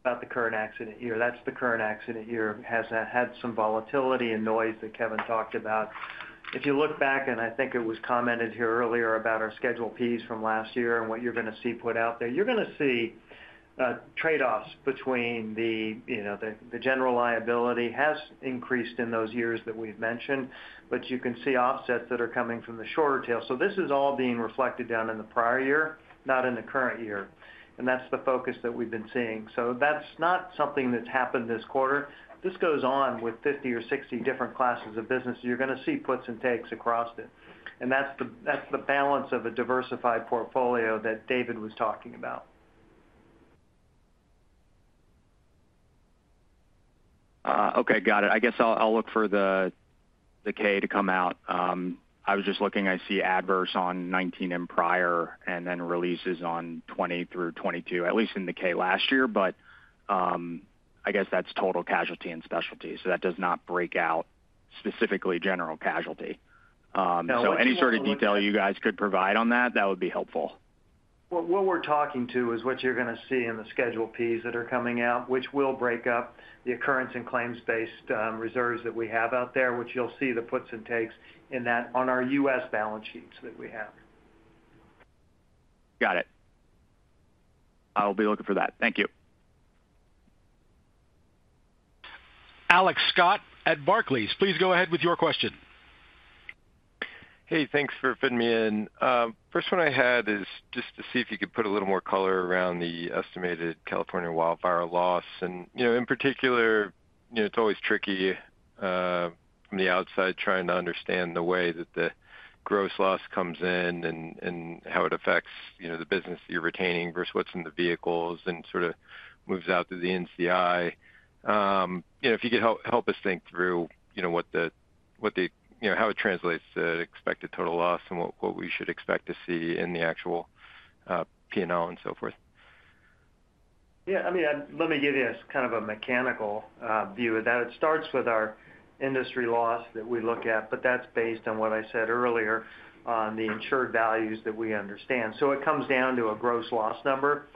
Speaker 4: about the current accident year. That's the current accident year. It has had some volatility and noise that Kevin talked about. If you look back, and I think it was commented here earlier about our Schedule P's from last year and what you're going to see put out there, you're going to see trade-offs between the general liability has increased in those years that we've mentioned, but you can see offsets that are coming from the shorter tail. So this is all being reflected down in the prior year, not in the current year. And that's the focus that we've been seeing. So that's not something that's happened this quarter. This goes on with 50 or 60 different classes of business. You're going to see puts and takes across it. And that's the balance of a diversified portfolio that David was talking about.
Speaker 11: Okay. Got it. I guess I'll look for the K to come out. I was just looking. I see adverse on 2019 and prior and then releases on 2020 through 2022, at least in the K last year, but I guess that's total casualty and specialty. So that does not break out specifically general casualty. So any sort of detail you guys could provide on that, that would be helpful.
Speaker 2: What we're talking to is what you're going to see in the Schedule P's that are coming out, which will break up the occurrence and claims-made reserves that we have out there, which you'll see the puts and takes in that on our U.S. balance sheets that we have.
Speaker 11: Got it. I'll be looking for that. Thank you.
Speaker 1: Alex Scott at Barclays, please go ahead with your question.
Speaker 12: Hey, thanks for fitting me in. First one I had is just to see if you could put a little more color around the estimated California wildfire loss, and in particular, it's always tricky from the outside trying to understand the way that the gross loss comes in and how it affects the business that you're retaining versus what's in the vehicles and sort of moves out to the NCI. If you could help us think through what the, how it translates to expected total loss and what we should expect to see in the actual P&L and so forth.
Speaker 3: Yeah. I mean, let me give you kind of a mechanical view of that. It starts with our industry loss that we look at, but that's based on what I said earlier on the insured values that we understand. So it comes down to a gross loss number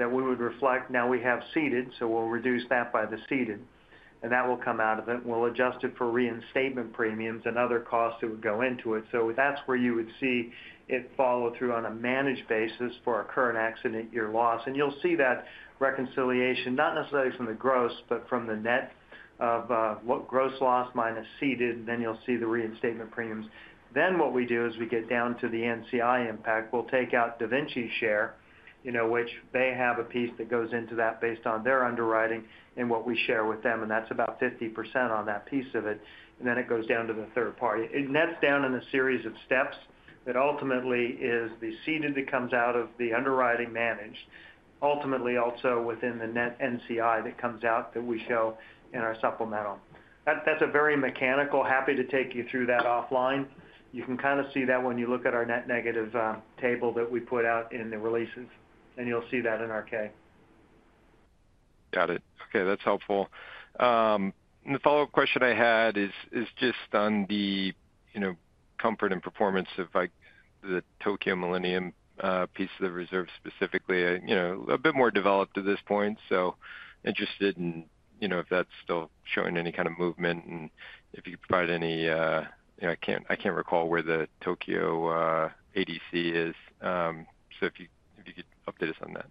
Speaker 3: that we would reflect. Now we have ceded, so we'll reduce that by the ceded. And that will come out of it, and we'll adjust it for reinstatement premiums and other costs that would go into it. So that's where you would see it follow through on a managed basis for our current accident year loss. And you'll see that reconciliation, not necessarily from the gross, but from the net of what gross loss minus ceded, and then you'll see the reinstatement premiums. Then what we do is we get down to the NCI impact. We'll take out DaVinci's share, which they have a piece that goes into that based on their underwriting and what we share with them, and that's about 50% on that piece of it. And then it goes down to the third party. And that's down in a series of steps that ultimately is the ceded that comes out of the underwriting management, ultimately also within the net NCI that comes out that we show in our supplemental. That's a very mechanical. Happy to take you through that offline. You can kind of see that when you look at our net negative table that we put out in the releases, and you'll see that in our K.
Speaker 12: Got it. Okay. That's helpful. The follow-up question I had is just on the comfort and performance of the Tokio Millennium piece of the reserve specifically. A bit more developed at this point, so interested in if that's still showing any kind of movement and if you could provide any. I can't recall where the Tokio ADC is. So if you could update us on that.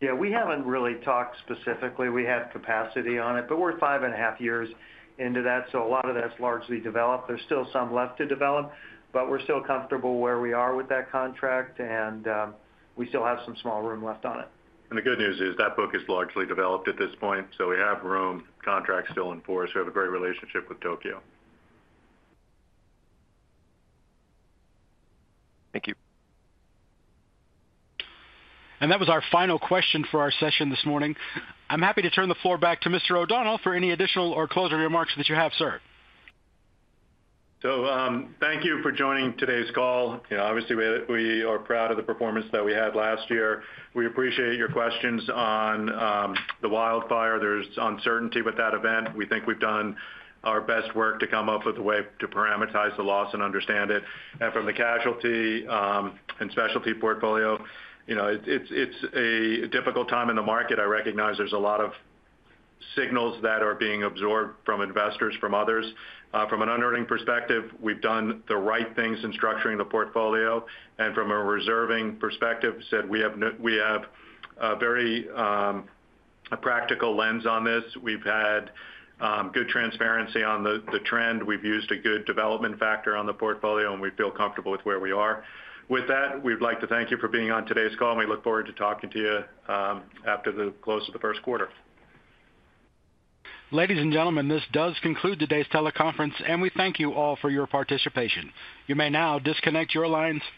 Speaker 3: Yeah. We haven't really talked specifically. We have capacity on it, but we're five and a half years into that, so a lot of that's largely developed. There's still some left to develop, but we're still comfortable where we are with that contract, and we still have some small room left on it.
Speaker 5: And the good news is that book is largely developed at this point, so we have room, contracts still in force, we have a great relationship with Tokio.
Speaker 9: Thank you.
Speaker 1: And that was our final question for our session this morning. I'm happy to turn the floor back to Mr. O'Donnell for any additional or closing remarks that you have, sir.
Speaker 3: So thank you for joining today's call. Obviously, we are proud of the performance that we had last year. We appreciate your questions on the wildfire. There's uncertainty with that event. We think we've done our best work to come up with a way to parameterize the loss and understand it. And from the casualty and specialty portfolio, it's a difficult time in the market. I recognize there's a lot of signals that are being absorbed from investors, from others. From an underwriting perspective, we've done the right things in structuring the portfolio. And from a reserving perspective, we said we have a very practical lens on this. We've had good transparency on the trend. We've used a good development factor on the portfolio, and we feel comfortable with where we are. With that, we'd like to thank you for being on today's call, and we look forward to talking to you after the close of the first quarter.
Speaker 1: Ladies and gentlemen, this does conclude today's teleconference, and we thank you all for your participation. You may now disconnect your lines.